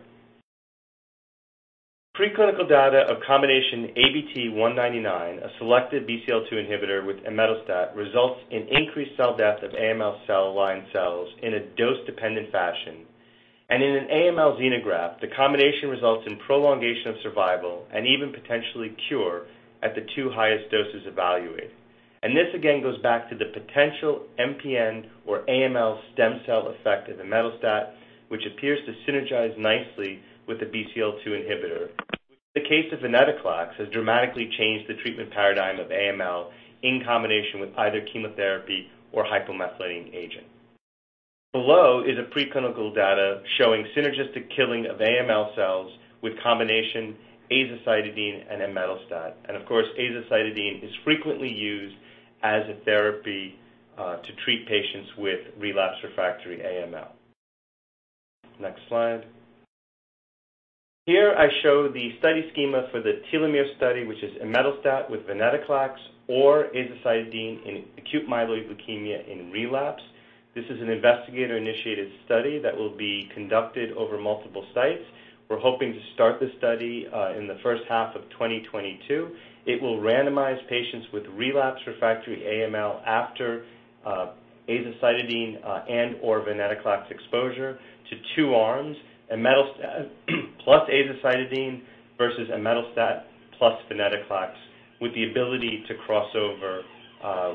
Preclinical data of combination ABT-199, a selective BCL-2 inhibitor, with imetelstat results in increased cell death of AML cell line cells in a dose-dependent fashion. In an AML xenograft, the combination results in prolongation of survival and even potentially cure at the two highest doses evaluated. This again goes back to the potential MPN or AML stem cell effect of imetelstat, which appears to synergize nicely with the BCL-2 inhibitor. The case of venetoclax has dramatically changed the treatment paradigm of AML in combination with either chemotherapy or hypomethylating agent. Below is preclinical data showing synergistic killing of AML cells with combination azacitidine and imetelstat. Of course, azacitidine is frequently used as a therapy to treat patients with relapsed refractory AML. Next slide. Here I show the study schema for the telomere study, which is imetelstat with venetoclax or azacitidine in acute myeloid leukemia in relapse. This is an investigator-initiated study that will be conducted over multiple sites. We're hoping to start the study in the first half of 2022. It will randomize patients with relapsed refractory AML after azacitidine and/or venetoclax exposure to two arms, plus azacitidine versus imetelstat plus venetoclax, with the ability to cross over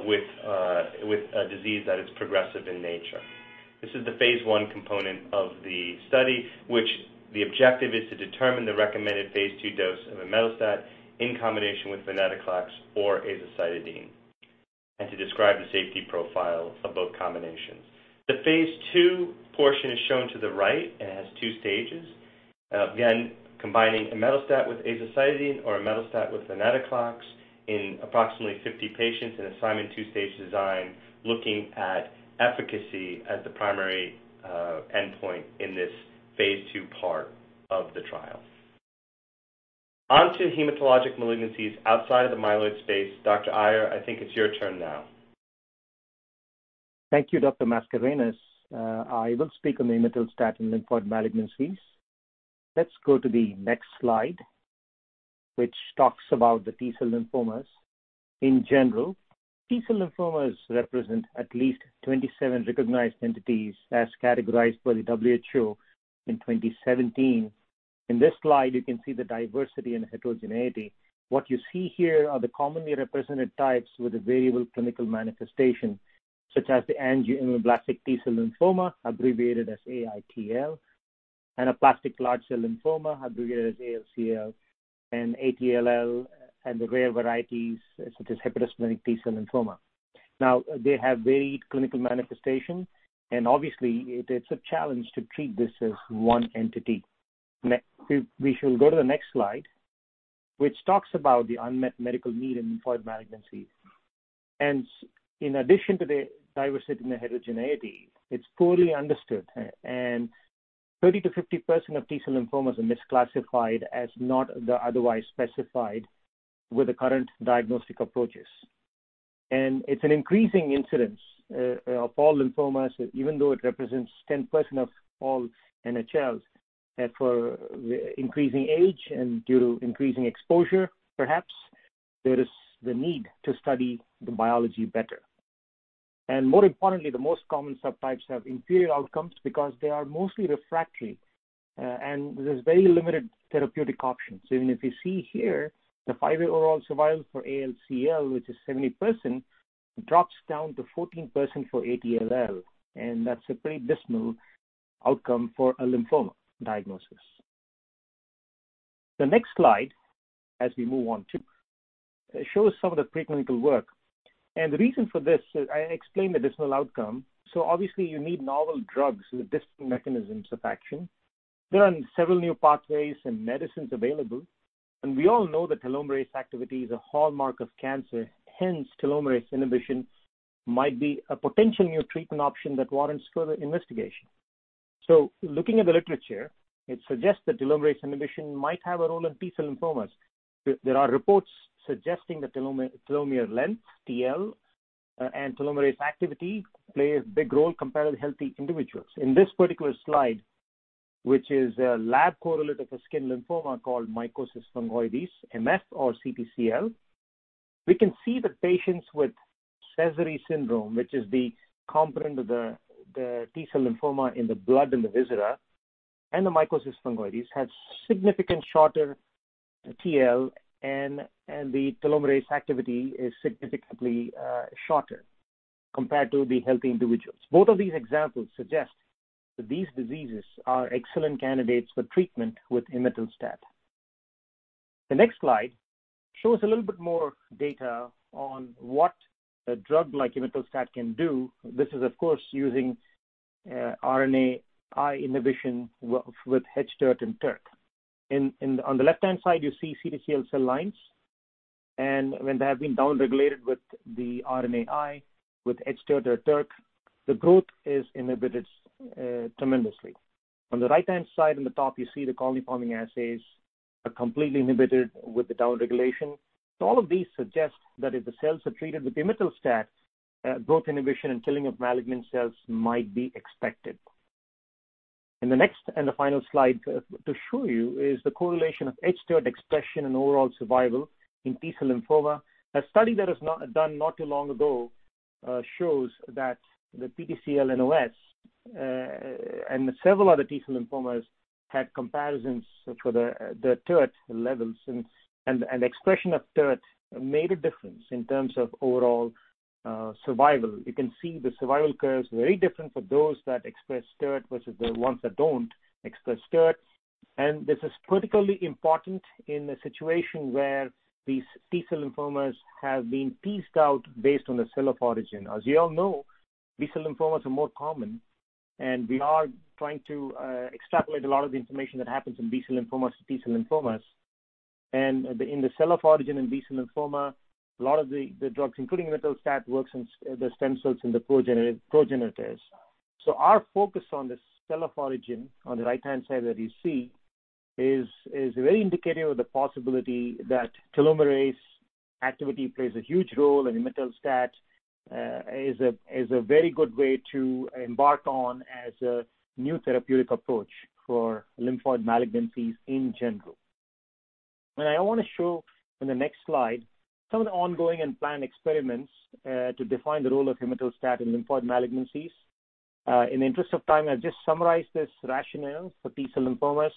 with a disease that is progressive in nature. This is the phase one component of the study, which the objective is to determine the recommended phase two dose of imetelstat in combination with venetoclax or azacitidine and to describe the safety profile of both combinations. The phase two portion is shown to the right and has two stages. Again, combining imetelstat with azacitidine or imetelstat with venetoclax in approximately 50 patients in a Simon's two-stage design, looking at efficacy as the primary endpoint in this phase two part of the trial. Onto hematologic malignancies outside of the myeloid space. Dr. Iyer, I think it's your turn now. Thank you, Dr. Mascarenhas. I will speak on the imetelstat and lymphoid malignancies. Let's go to the next slide, which talks about the T-cell lymphomas in general. T-cell lymphomas represent at least 27 recognized entities as categorized by the WHO in 2017. In this slide, you can see the diversity and heterogeneity. What you see here are the commonly represented types with a variable clinical manifestation, such as the angioimmunoblastic T-cell lymphoma, abbreviated as AITL, anaplastic large cell lymphoma, abbreviated as ALCL, and ATLL, and the rare varieties such as hepatosplenic T-cell lymphoma. Now, they have varied clinical manifestation, and obviously, it's a challenge to treat this as one entity. We shall go to the next slide, which talks about the unmet medical need in lymphoid malignancies. In addition to the diversity and the heterogeneity, it's poorly understood, and 30-50% of T-cell lymphomas are misclassified as not otherwise specified with the current diagnostic approaches. It's an increasing incidence of all lymphomas, even though it represents 10% of all NHLs, that for increasing age and due to increasing exposure, perhaps there is the need to study the biology better. More importantly, the most common subtypes have inferior outcomes because they are mostly refractory, and there's very limited therapeutic options. Even if you see here, the five-year overall survival for ALCL, which is 70%, drops down to 14% for ATLL, and that's a pretty dismal outcome for a lymphoma diagnosis. The next slide, as we move on to, shows some of the preclinical work. The reason for this, I explained the dismal outcome. Obviously, you need novel drugs with different mechanisms of action. There are several new pathways and medicines available, and we all know that telomerase activity is a hallmark of cancer. Hence, telomerase inhibition might be a potential new treatment option that warrants further investigation. Looking at the literature, it suggests that telomerase inhibition might have a role in T-cell lymphomas. There are reports suggesting that telomere length, TL, and telomerase activity play a big role compared to healthy individuals. In this particular slide, which is a lab correlate of a skin lymphoma called mycosis fungoides, MF or CTCL, we can see that patients with Sézary syndrome, which is the component of the T cell lymphoma in the blood and the viscera, and the mycosis fungoides have significantly shorter TL, and the telomerase activity is significantly shorter compared to the healthy individuals. Both of these examples suggest that these diseases are excellent candidates for treatment with imetelstat. The next slide shows a little bit more data on what a drug like imetelstat can do. This is, of course, using RNAi inhibition with hTR+hTERT. On the left-hand side, you see CTCL cell lines, and when they have been downregulated with the RNAi with hTR+hTERT, the growth is inhibited tremendously. On the right-hand side in the top, you see the colony-forming assays are completely inhibited with the downregulation. All of these suggest that if the cells are treated with imetelstat, growth inhibition and killing of malignant cells might be expected. In the next and the final slide to show you is the correlation of hTR expression and overall survival in T-cell lymphoma. A study that was done not too long ago shows that the PDCL and OS and several other T-cell lymphomas had comparisons for the TERT levels, and the expression of TERT made a difference in terms of overall survival. You can see the survival curve is very different for those that express TERT versus the ones that do not express TERT. This is critically important in a situation where these T-cell lymphomas have been teased out based on the cell of origin. As you all know, B-cell lymphomas are more common, and we are trying to extrapolate a lot of the information that happens in B-cell lymphomas to T-cell lymphomas. In the cell of origin and B-cell lymphoma, a lot of the drugs, including imetelstat, works in the stem cells and the progenitors. Our focus on the cell of origin on the right-hand side that you see is very indicative of the possibility that telomerase activity plays a huge role, and imetelstat is a very good way to embark on as a new therapeutic approach for lymphoid malignancies in general. I want to show in the next slide some of the ongoing and planned experiments to define the role of imetelstat in lymphoid malignancies. In the interest of time, I'll just summarize this rationale for T-cell lymphomas.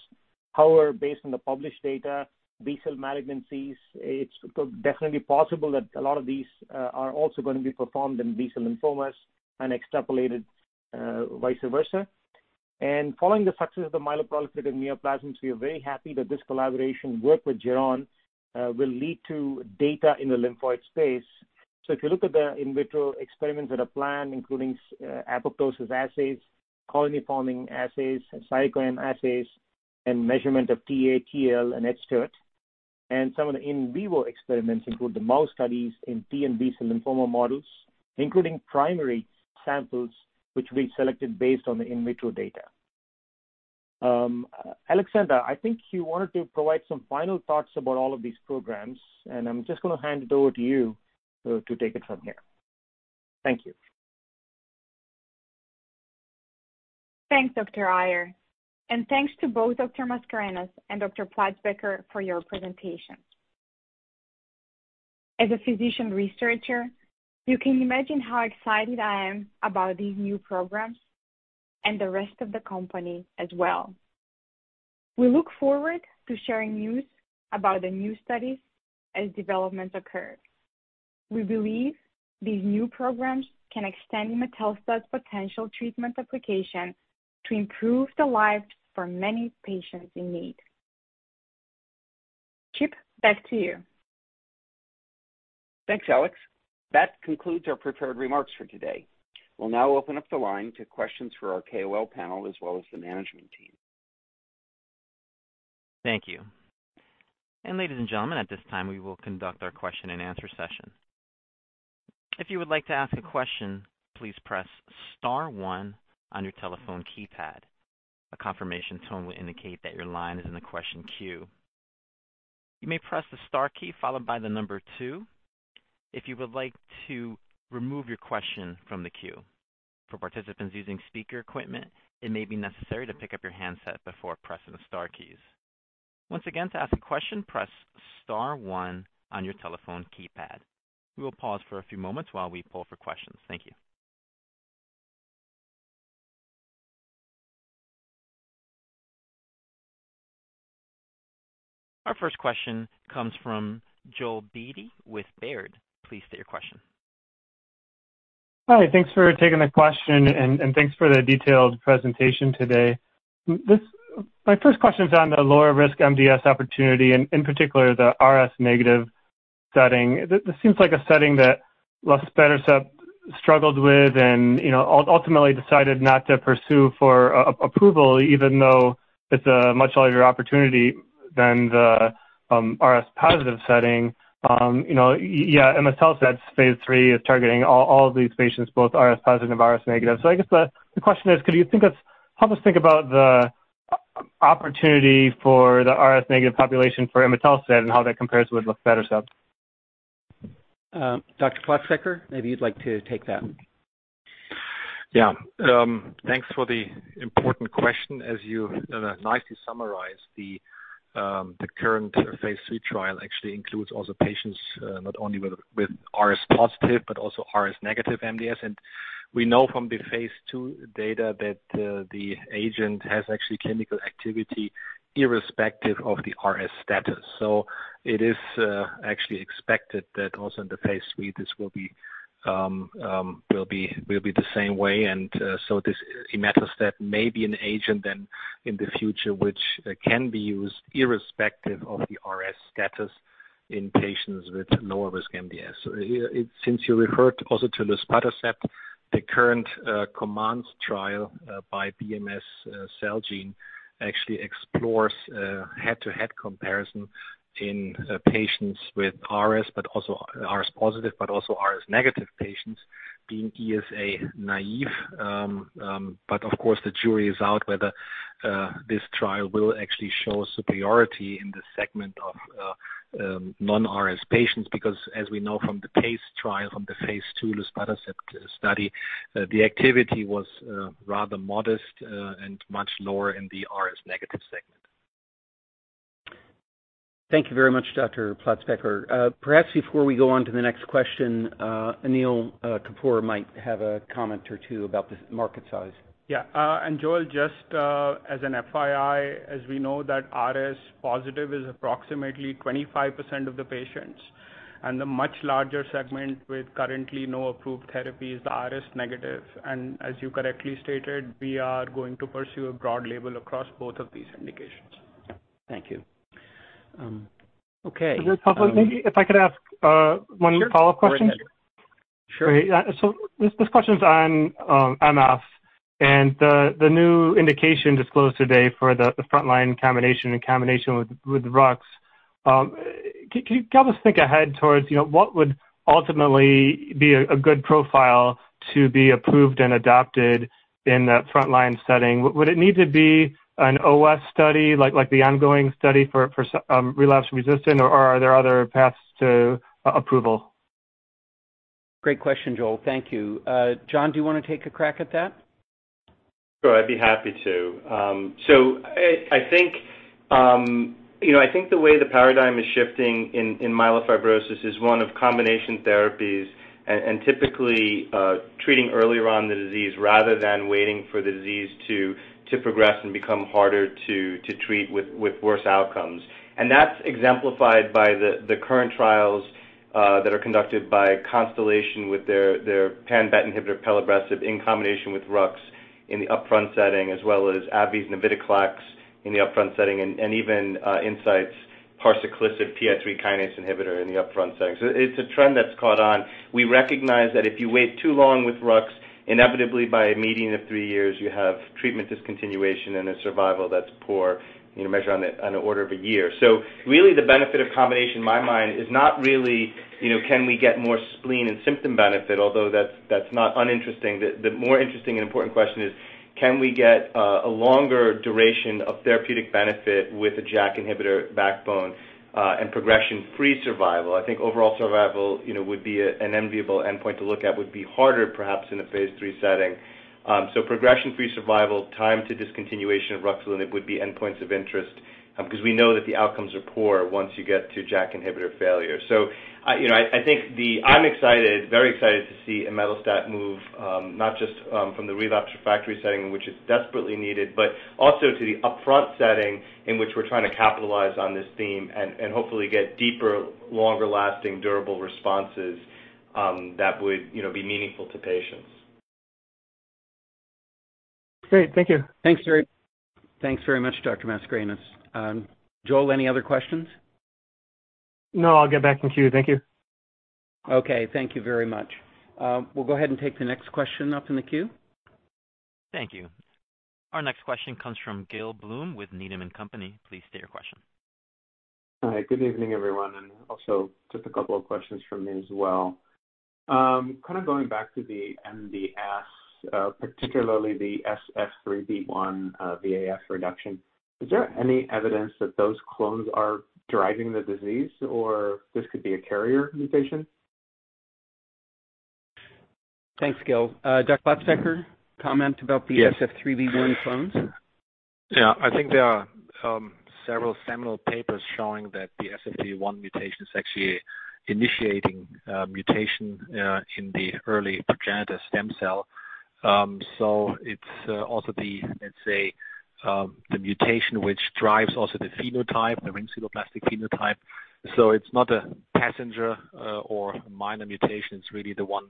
However, based on the published data, B-cell malignancies, it's definitely possible that a lot of these are also going to be performed in B-cell lymphomas and extrapolated vice versa. Following the success of the myeloproliferative neoplasms, we are very happy that this collaboration work with Geron will lead to data in the lymphoid space. If you look at the in vitro experiments that are planned, including apoptosis assays, colony-forming assays, cytokine assays, and measurement of TATL and hTERT, and some of the in vivo experiments include the mouse studies in T and B-cell lymphoma models, including primary samples, which we selected based on the in vitro data. Aleksandra, I think you wanted to provide some final thoughts about all of these programs, and I'm just going to hand it over to you to take it from here. Thank you. Thanks, Dr. Iyer. And thanks to both Dr. Mascarenhas and Dr. Platzbecker for your presentation. As a physician researcher, you can imagine how excited I am about these new programs and the rest of the company as well. We look forward to sharing news about the new studies as developments occur. We believe these new programs can extend imetelstat's potential treatment application to improve the lives for many patients in need. Chip, back to you. Thanks, Alex. That concludes our prepared remarks for today. We will now open up the line to questions for our KOL panel as well as the management team. Thank you. Ladies and gentlemen, at this time, we will conduct our question-and-answer session. If you would like to ask a question, please press star one on your telephone keypad. A confirmation tone will indicate that your line is in the question queue. You may press the star key followed by the number two if you would like to remove your question from the queue. For participants using speaker equipment, it may be necessary to pick up your handset before pressing the star keys. Once again, to ask a question, press star one on your telephone keypad. We will pause for a few moments while we pull for questions. Thank you. Our first question comes from Joel Beatty with Baird. Please state your question. Hi, thanks for taking the question, and thanks for the detailed presentation today. My first question is on the lower-risk MDS opportunity, and in particular, the RS negative setting. This seems like a setting that luspatercept struggled with and ultimately decided not to pursue for approval, even though it is a much larger opportunity than the RS positive setting. Yeah, imetelstat's phase three is targeting all of these patients, both RS positive and RS negative. I guess the question is, could you help us think about the opportunity for the RS negative population for imetelstat and how that compares with luspatercept? Dr. Platzbecker, maybe you'd like to take that. Yeah. Thanks for the important question. As you nicely summarized, the current phase three trial actually includes all the patients not only with RS positive but also RS negative MDS. And we know from the phase two data that the agent has actually chemical activity irrespective of the RS status. It is actually expected that also in the phase three, this will be the same way. This imetelstat may be an agent then in the future which can be used irrespective of the RS status in patients with lower risk MDS. Since you referred also to luspatercept, the current COMMANDS trial by BMS Celgene actually explores head-to-head comparison in patients with RS, but also RS positive, but also RS negative patients being ESA naive. Of course, the jury is out whether this trial will actually show superiority in the segment of non-RS patients, because as we know from the PACE trial, from the phase two luspatercept study, the activity was rather modest and much lower in the RS negative segment. Thank you very much, Dr. Platzbecker. Perhaps before we go on to the next question, Anil Kapur might have a comment or two about the market size. Yeah. And Joel, just as an FYI, as we know that RS positive is approximately 25% of the patients, and the much larger segment with currently no approved therapy is the RS negative. As you correctly stated, we are going to pursue a broad label across both of these indications. Thank you. Okay. Maybe if I could ask one follow-up question. Sure. This question is on MF, and the new indication disclosed today for the frontline combination and combination with Rux, can you help us think ahead towards what would ultimately be a good profile to be approved and adopted in that frontline setting? Would it need to be an OS study like the ongoing study for relapse resistant, or are there other paths to approval? Great question, Joel. Thank you. John, do you want to take a crack at that? Sure. I'd be happy to. I think the way the paradigm is shifting in myelofibrosis is one of combination therapies and typically treating earlier on the disease rather than waiting for the disease to progress and become harder to treat with worse outcomes. That's exemplified by the current trials that are conducted by Constellation with their pan-BET inhibitor pelabresib, in combination with Rux in the upfront setting, as well as navitoclax and avapritinib in the upfront setting, and even Incyte's parsaclisib PI3 kinase inhibitor in the upfront setting. It is a trend that's caught on. We recognize that if you wait too long with Rux, inevitably by a median of three years, you have treatment discontinuation and a survival that's poor, measured on an order of a year. Really, the benefit of combination in my mind is not really, can we get more spleen and symptom benefit, although that's not uninteresting. The more interesting and important question is, can we get a longer duration of therapeutic benefit with a JAK inhibitor backbone and progression-free survival? I think overall survival would be an enviable endpoint to look at, would be harder perhaps in a phase three setting. Progression-free survival, time to discontinuation of Rux, and it would be endpoints of interest because we know that the outcomes are poor once you get to JAK inhibitor failure. I think I'm excited, very excited to see imetelstat move not just from the relapsed refractory setting in which it's desperately needed, but also to the upfront setting in which we're trying to capitalize on this theme and hopefully get deeper, longer-lasting, durable responses that would be meaningful to patients. Great. Thank you. Thanks, Thanks very much, Dr. Mascarenhas. Joel, any other questions? No. I'll get back in queue. Thank you. Okay. Thank you very much. We'll go ahead and take the next question up in the queue. Thank you. Our next question comes from Gail Bloom with Needham & Company. Please state your question. Hi. Good evening, everyone. Also just a couple of questions from me as well. Kind of going back to the MDS, particularly the SF3B1 VAF reduction, is there any evidence that those clones are driving the disease, or this could be a carrier mutation? Thanks, Gail. Dr. Platzbecker, comment about the SF3B1 clones? Yeah. I think there are several seminal papers showing that the SF3B1 mutation is actually initiating mutation in the early progenitor stem cell. It is also the, let's say, the mutation which drives also the phenotype, the ring sideroblastic phenotype. It is not a passenger or minor mutation. It is really the one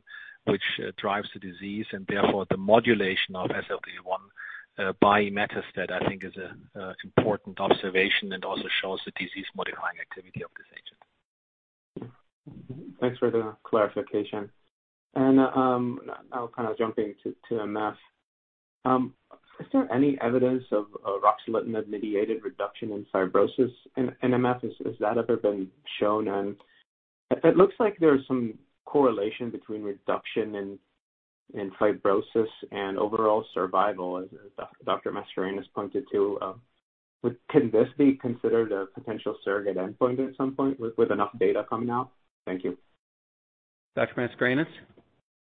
which drives the disease, and therefore the modulation of SF3B1 by imetelstat, I think, is an important observation and also shows the disease-modifying activity of this agent. Thanks for the clarification. Now kind of jumping to MF, is there any evidence of Rux-limited mediated reduction in fibrosis in MF? Has that ever been shown? It looks like there's some correlation between reduction in fibrosis and overall survival, as Dr. Mascarenhas pointed to. Can this be considered a potential surrogate endpoint at some point with enough data coming out? Thank you. Dr.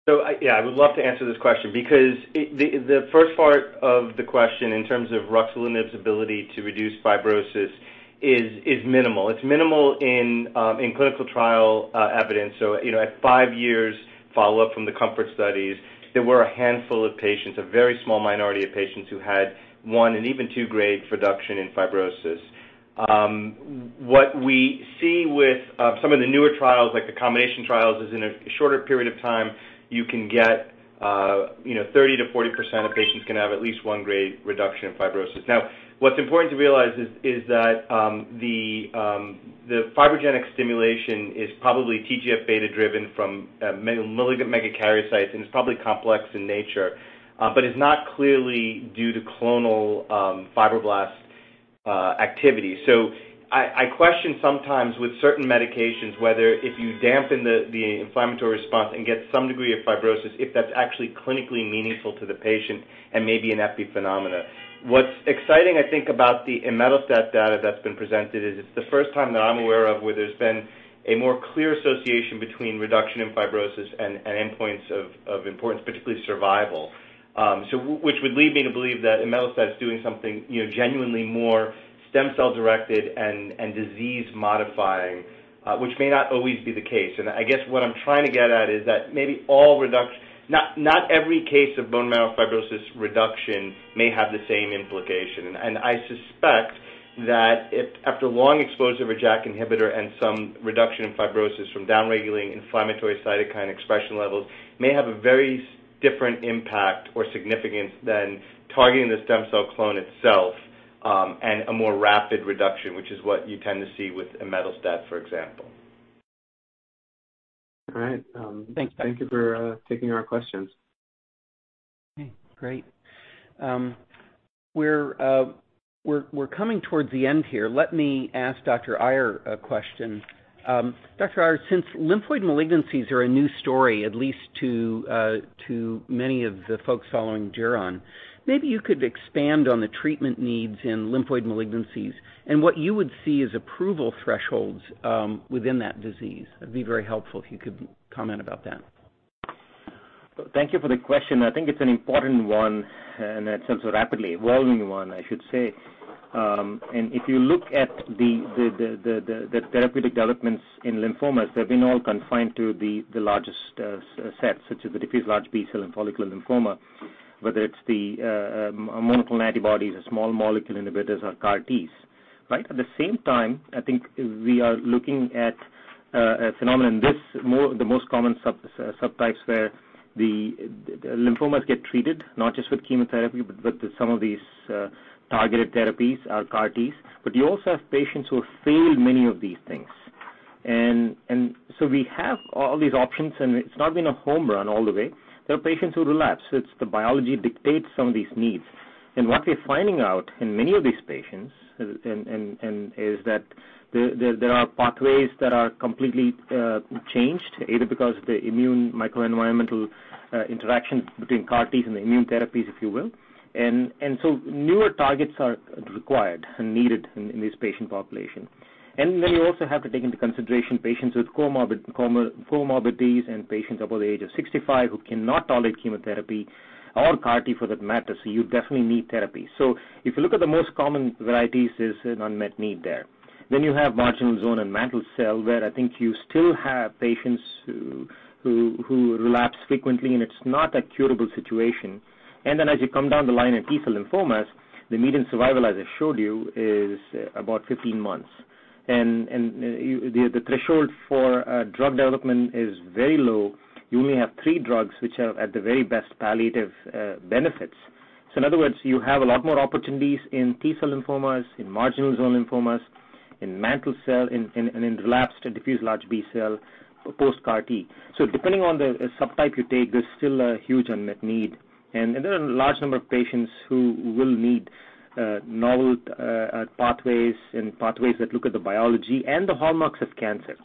Mascarenhas? Yeah, I would love to answer this question because the first part of the question in terms of Rux-limited ability to reduce fibrosis is minimal. It's minimal in clinical trial evidence. At five years follow-up from the COMFORT studies, there were a handful of patients, a very small minority of patients who had one and even two-grade reduction in fibrosis. What we see with some of the newer trials, like the combination trials, is in a shorter period of time, you can get 30-40% of patients can have at least one-grade reduction in fibrosis. Now, what's important to realize is that the fibrogenic stimulation is probably TGF beta driven from megakaryocyte sites, and it's probably complex in nature, but it's not clearly due to clonal fibroblast activity. I question sometimes with certain medications whether if you dampen the inflammatory response and get some degree of fibrosis, if that's actually clinically meaningful to the patient and maybe an epiphenomenon. What's exciting, I think, about the imetelstat data that's been presented is it's the first time that I'm aware of where there's been a more clear association between reduction in fibrosis and endpoints of importance, particularly survival, which would lead me to believe that imetelstat is doing something genuinely more stem cell directed and disease-modifying, which may not always be the case. I guess what I'm trying to get at is that maybe not every case of bone marrow fibrosis reduction may have the same implication. I suspect that after long exposure of a JAK inhibitor and some reduction in fibrosis from downregulating inflammatory cytokine expression levels may have a very different impact or significance than targeting the stem cell clone itself and a more rapid reduction, which is what you tend to see with imetelstat, for example. All right. Thank you. Thank you for taking our questions. Okay. Great. We're coming towards the end here. Let me ask Dr. Iyer a question. Dr. Iyer, since lymphoid malignancies are a new story, at least to many of the folks following Geron, maybe you could expand on the treatment needs in lymphoid malignancies and what you would see as approval thresholds within that disease. That'd be very helpful if you could comment about that. Thank you for the question. I think it's an important one and it's also a rapidly evolving one, I should say. If you look at the therapeutic developments in lymphomas, they've been all confined to the largest sets, such as the diffuse large B-cell and follicular lymphoma, whether it's the monoclonal antibodies, the small molecule inhibitors, or CAR-Ts. Right? At the same time, I think we are looking at a phenomenon, the most common subtypes where the lymphomas get treated, not just with chemotherapy, but with some of these targeted therapies, are CAR-Ts. You also have patients who have failed many of these things. We have all these options, and it's not been a home run all the way. There are patients who relapse. It's the biology that dictates some of these needs. What we're finding out in many of these patients is that there are pathways that are completely changed, either because of the immune microenvironmental interactions between CAR-Ts and the immune therapies, if you will. Newer targets are required and needed in this patient population. You also have to take into consideration patients with comorbidities and patients above the age of 65 who cannot tolerate chemotherapy or CAR-T for that matter. You definitely need therapy. If you look at the most common varieties, there is an unmet need there. You have marginal zone and mantle cell where I think you still have patients who relapse frequently, and it is not a curable situation. As you come down the line in T-cell lymphomas, the median survival, as I showed you, is about 15 months. The threshold for drug development is very low. You only have three drugs which have at the very best palliative benefits. In other words, you have a lot more opportunities in T-cell lymphomas, in marginal zone lymphomas, in mantle cell, and in relapsed diffuse large B-cell post-CAR-T. Depending on the subtype you take, there's still a huge unmet need. There are a large number of patients who will need novel pathways and pathways that look at the biology and the hallmarks of cancer.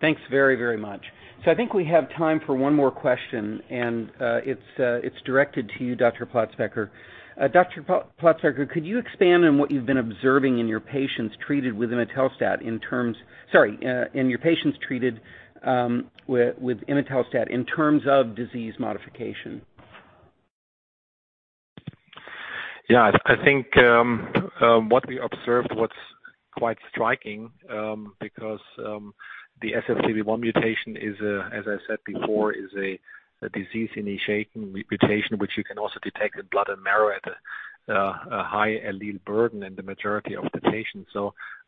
Thanks very, very much. I think we have time for one more question, and it's directed to you, Dr. Platzbecker. Dr. Platzbecker, could you expand on what you've been observing in your patients treated with imetelstat in terms—in your patients treated with imetelstat in terms of disease modification? Yeah. I think what we observed was quite striking because the SF3B1 mutation is, as I said before, a disease-initiating mutation which you can also detect in blood and marrow at a high allele burden in the majority of the patients.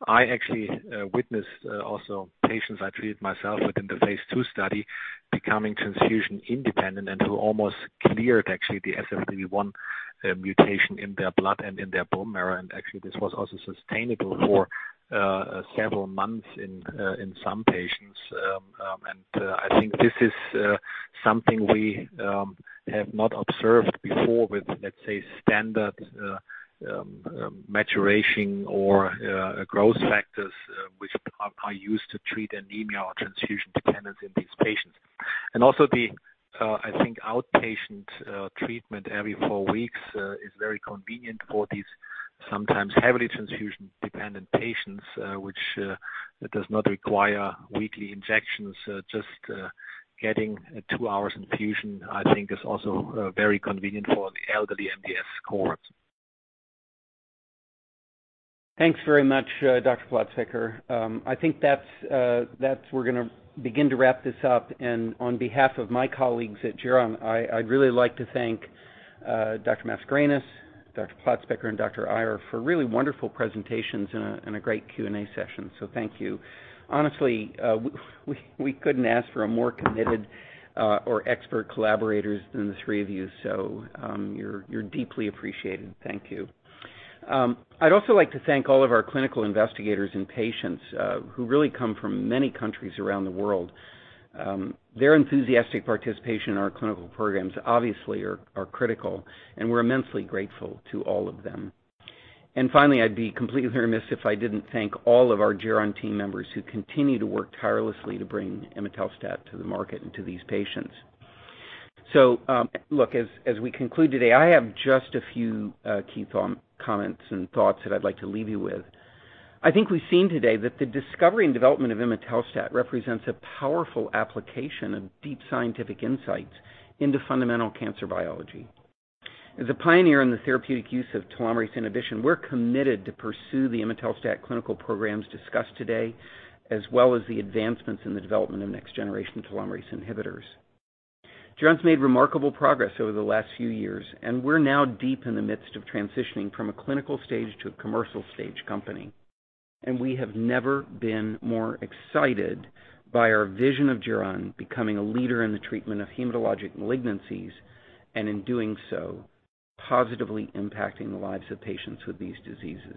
I actually witnessed also patients I treated myself with in the phase two study becoming transfusion independent and who almost cleared actually the SF3B1 mutation in their blood and in their bone marrow. Actually, this was also sustainable for several months in some patients. I think this is something we have not observed before with, let's say, standard maturation or growth factors which are used to treat anemia or transfusion dependence in these patients. Also, I think outpatient treatment every four weeks is very convenient for these sometimes heavily transfusion dependent patients, which does not require weekly injections. Just getting two hours infusion, I think, is also very convenient for the elderly MDS scores. Thanks very much, Dr. Platzbecker. I think that we're going to begin to wrap this up. On behalf of my colleagues at Geron, I'd really like to thank Dr. Mascarenhas, Dr. Platzbecker, and Dr. Iyer for really wonderful presentations and a great Q&A session. Thank you. Honestly, we couldn't ask for more committed or expert collaborators than the three of you. You're deeply appreciated. Thank you. I'd also like to thank all of our clinical investigators and patients who really come from many countries around the world. Their enthusiastic participation in our clinical programs obviously are critical, and we're immensely grateful to all of them. I would be completely remiss if I didn't thank all of our Geron team members who continue to work tirelessly to bring imetelstat to the market and to these patients. As we conclude today, I have just a few key comments and thoughts that I'd like to leave you with. I think we've seen today that the discovery and development of imetelstat represents a powerful application of deep scientific insights into fundamental cancer biology. As a pioneer in the therapeutic use of telomerase inhibition, we're committed to pursue the imetelstat clinical programs discussed today, as well as the advancements in the development of next-generation telomerase inhibitors. Geron's made remarkable progress over the last few years, and we're now deep in the midst of transitioning from a clinical stage to a commercial stage company. We have never been more excited by our vision of Geron becoming a leader in the treatment of hematologic malignancies and in doing so positively impacting the lives of patients with these diseases.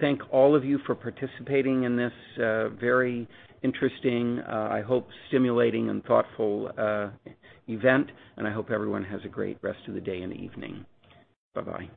Thank all of you for participating in this very interesting, I hope stimulating and thoughtful event, and I hope everyone has a great rest of the day and evening. Bye-bye.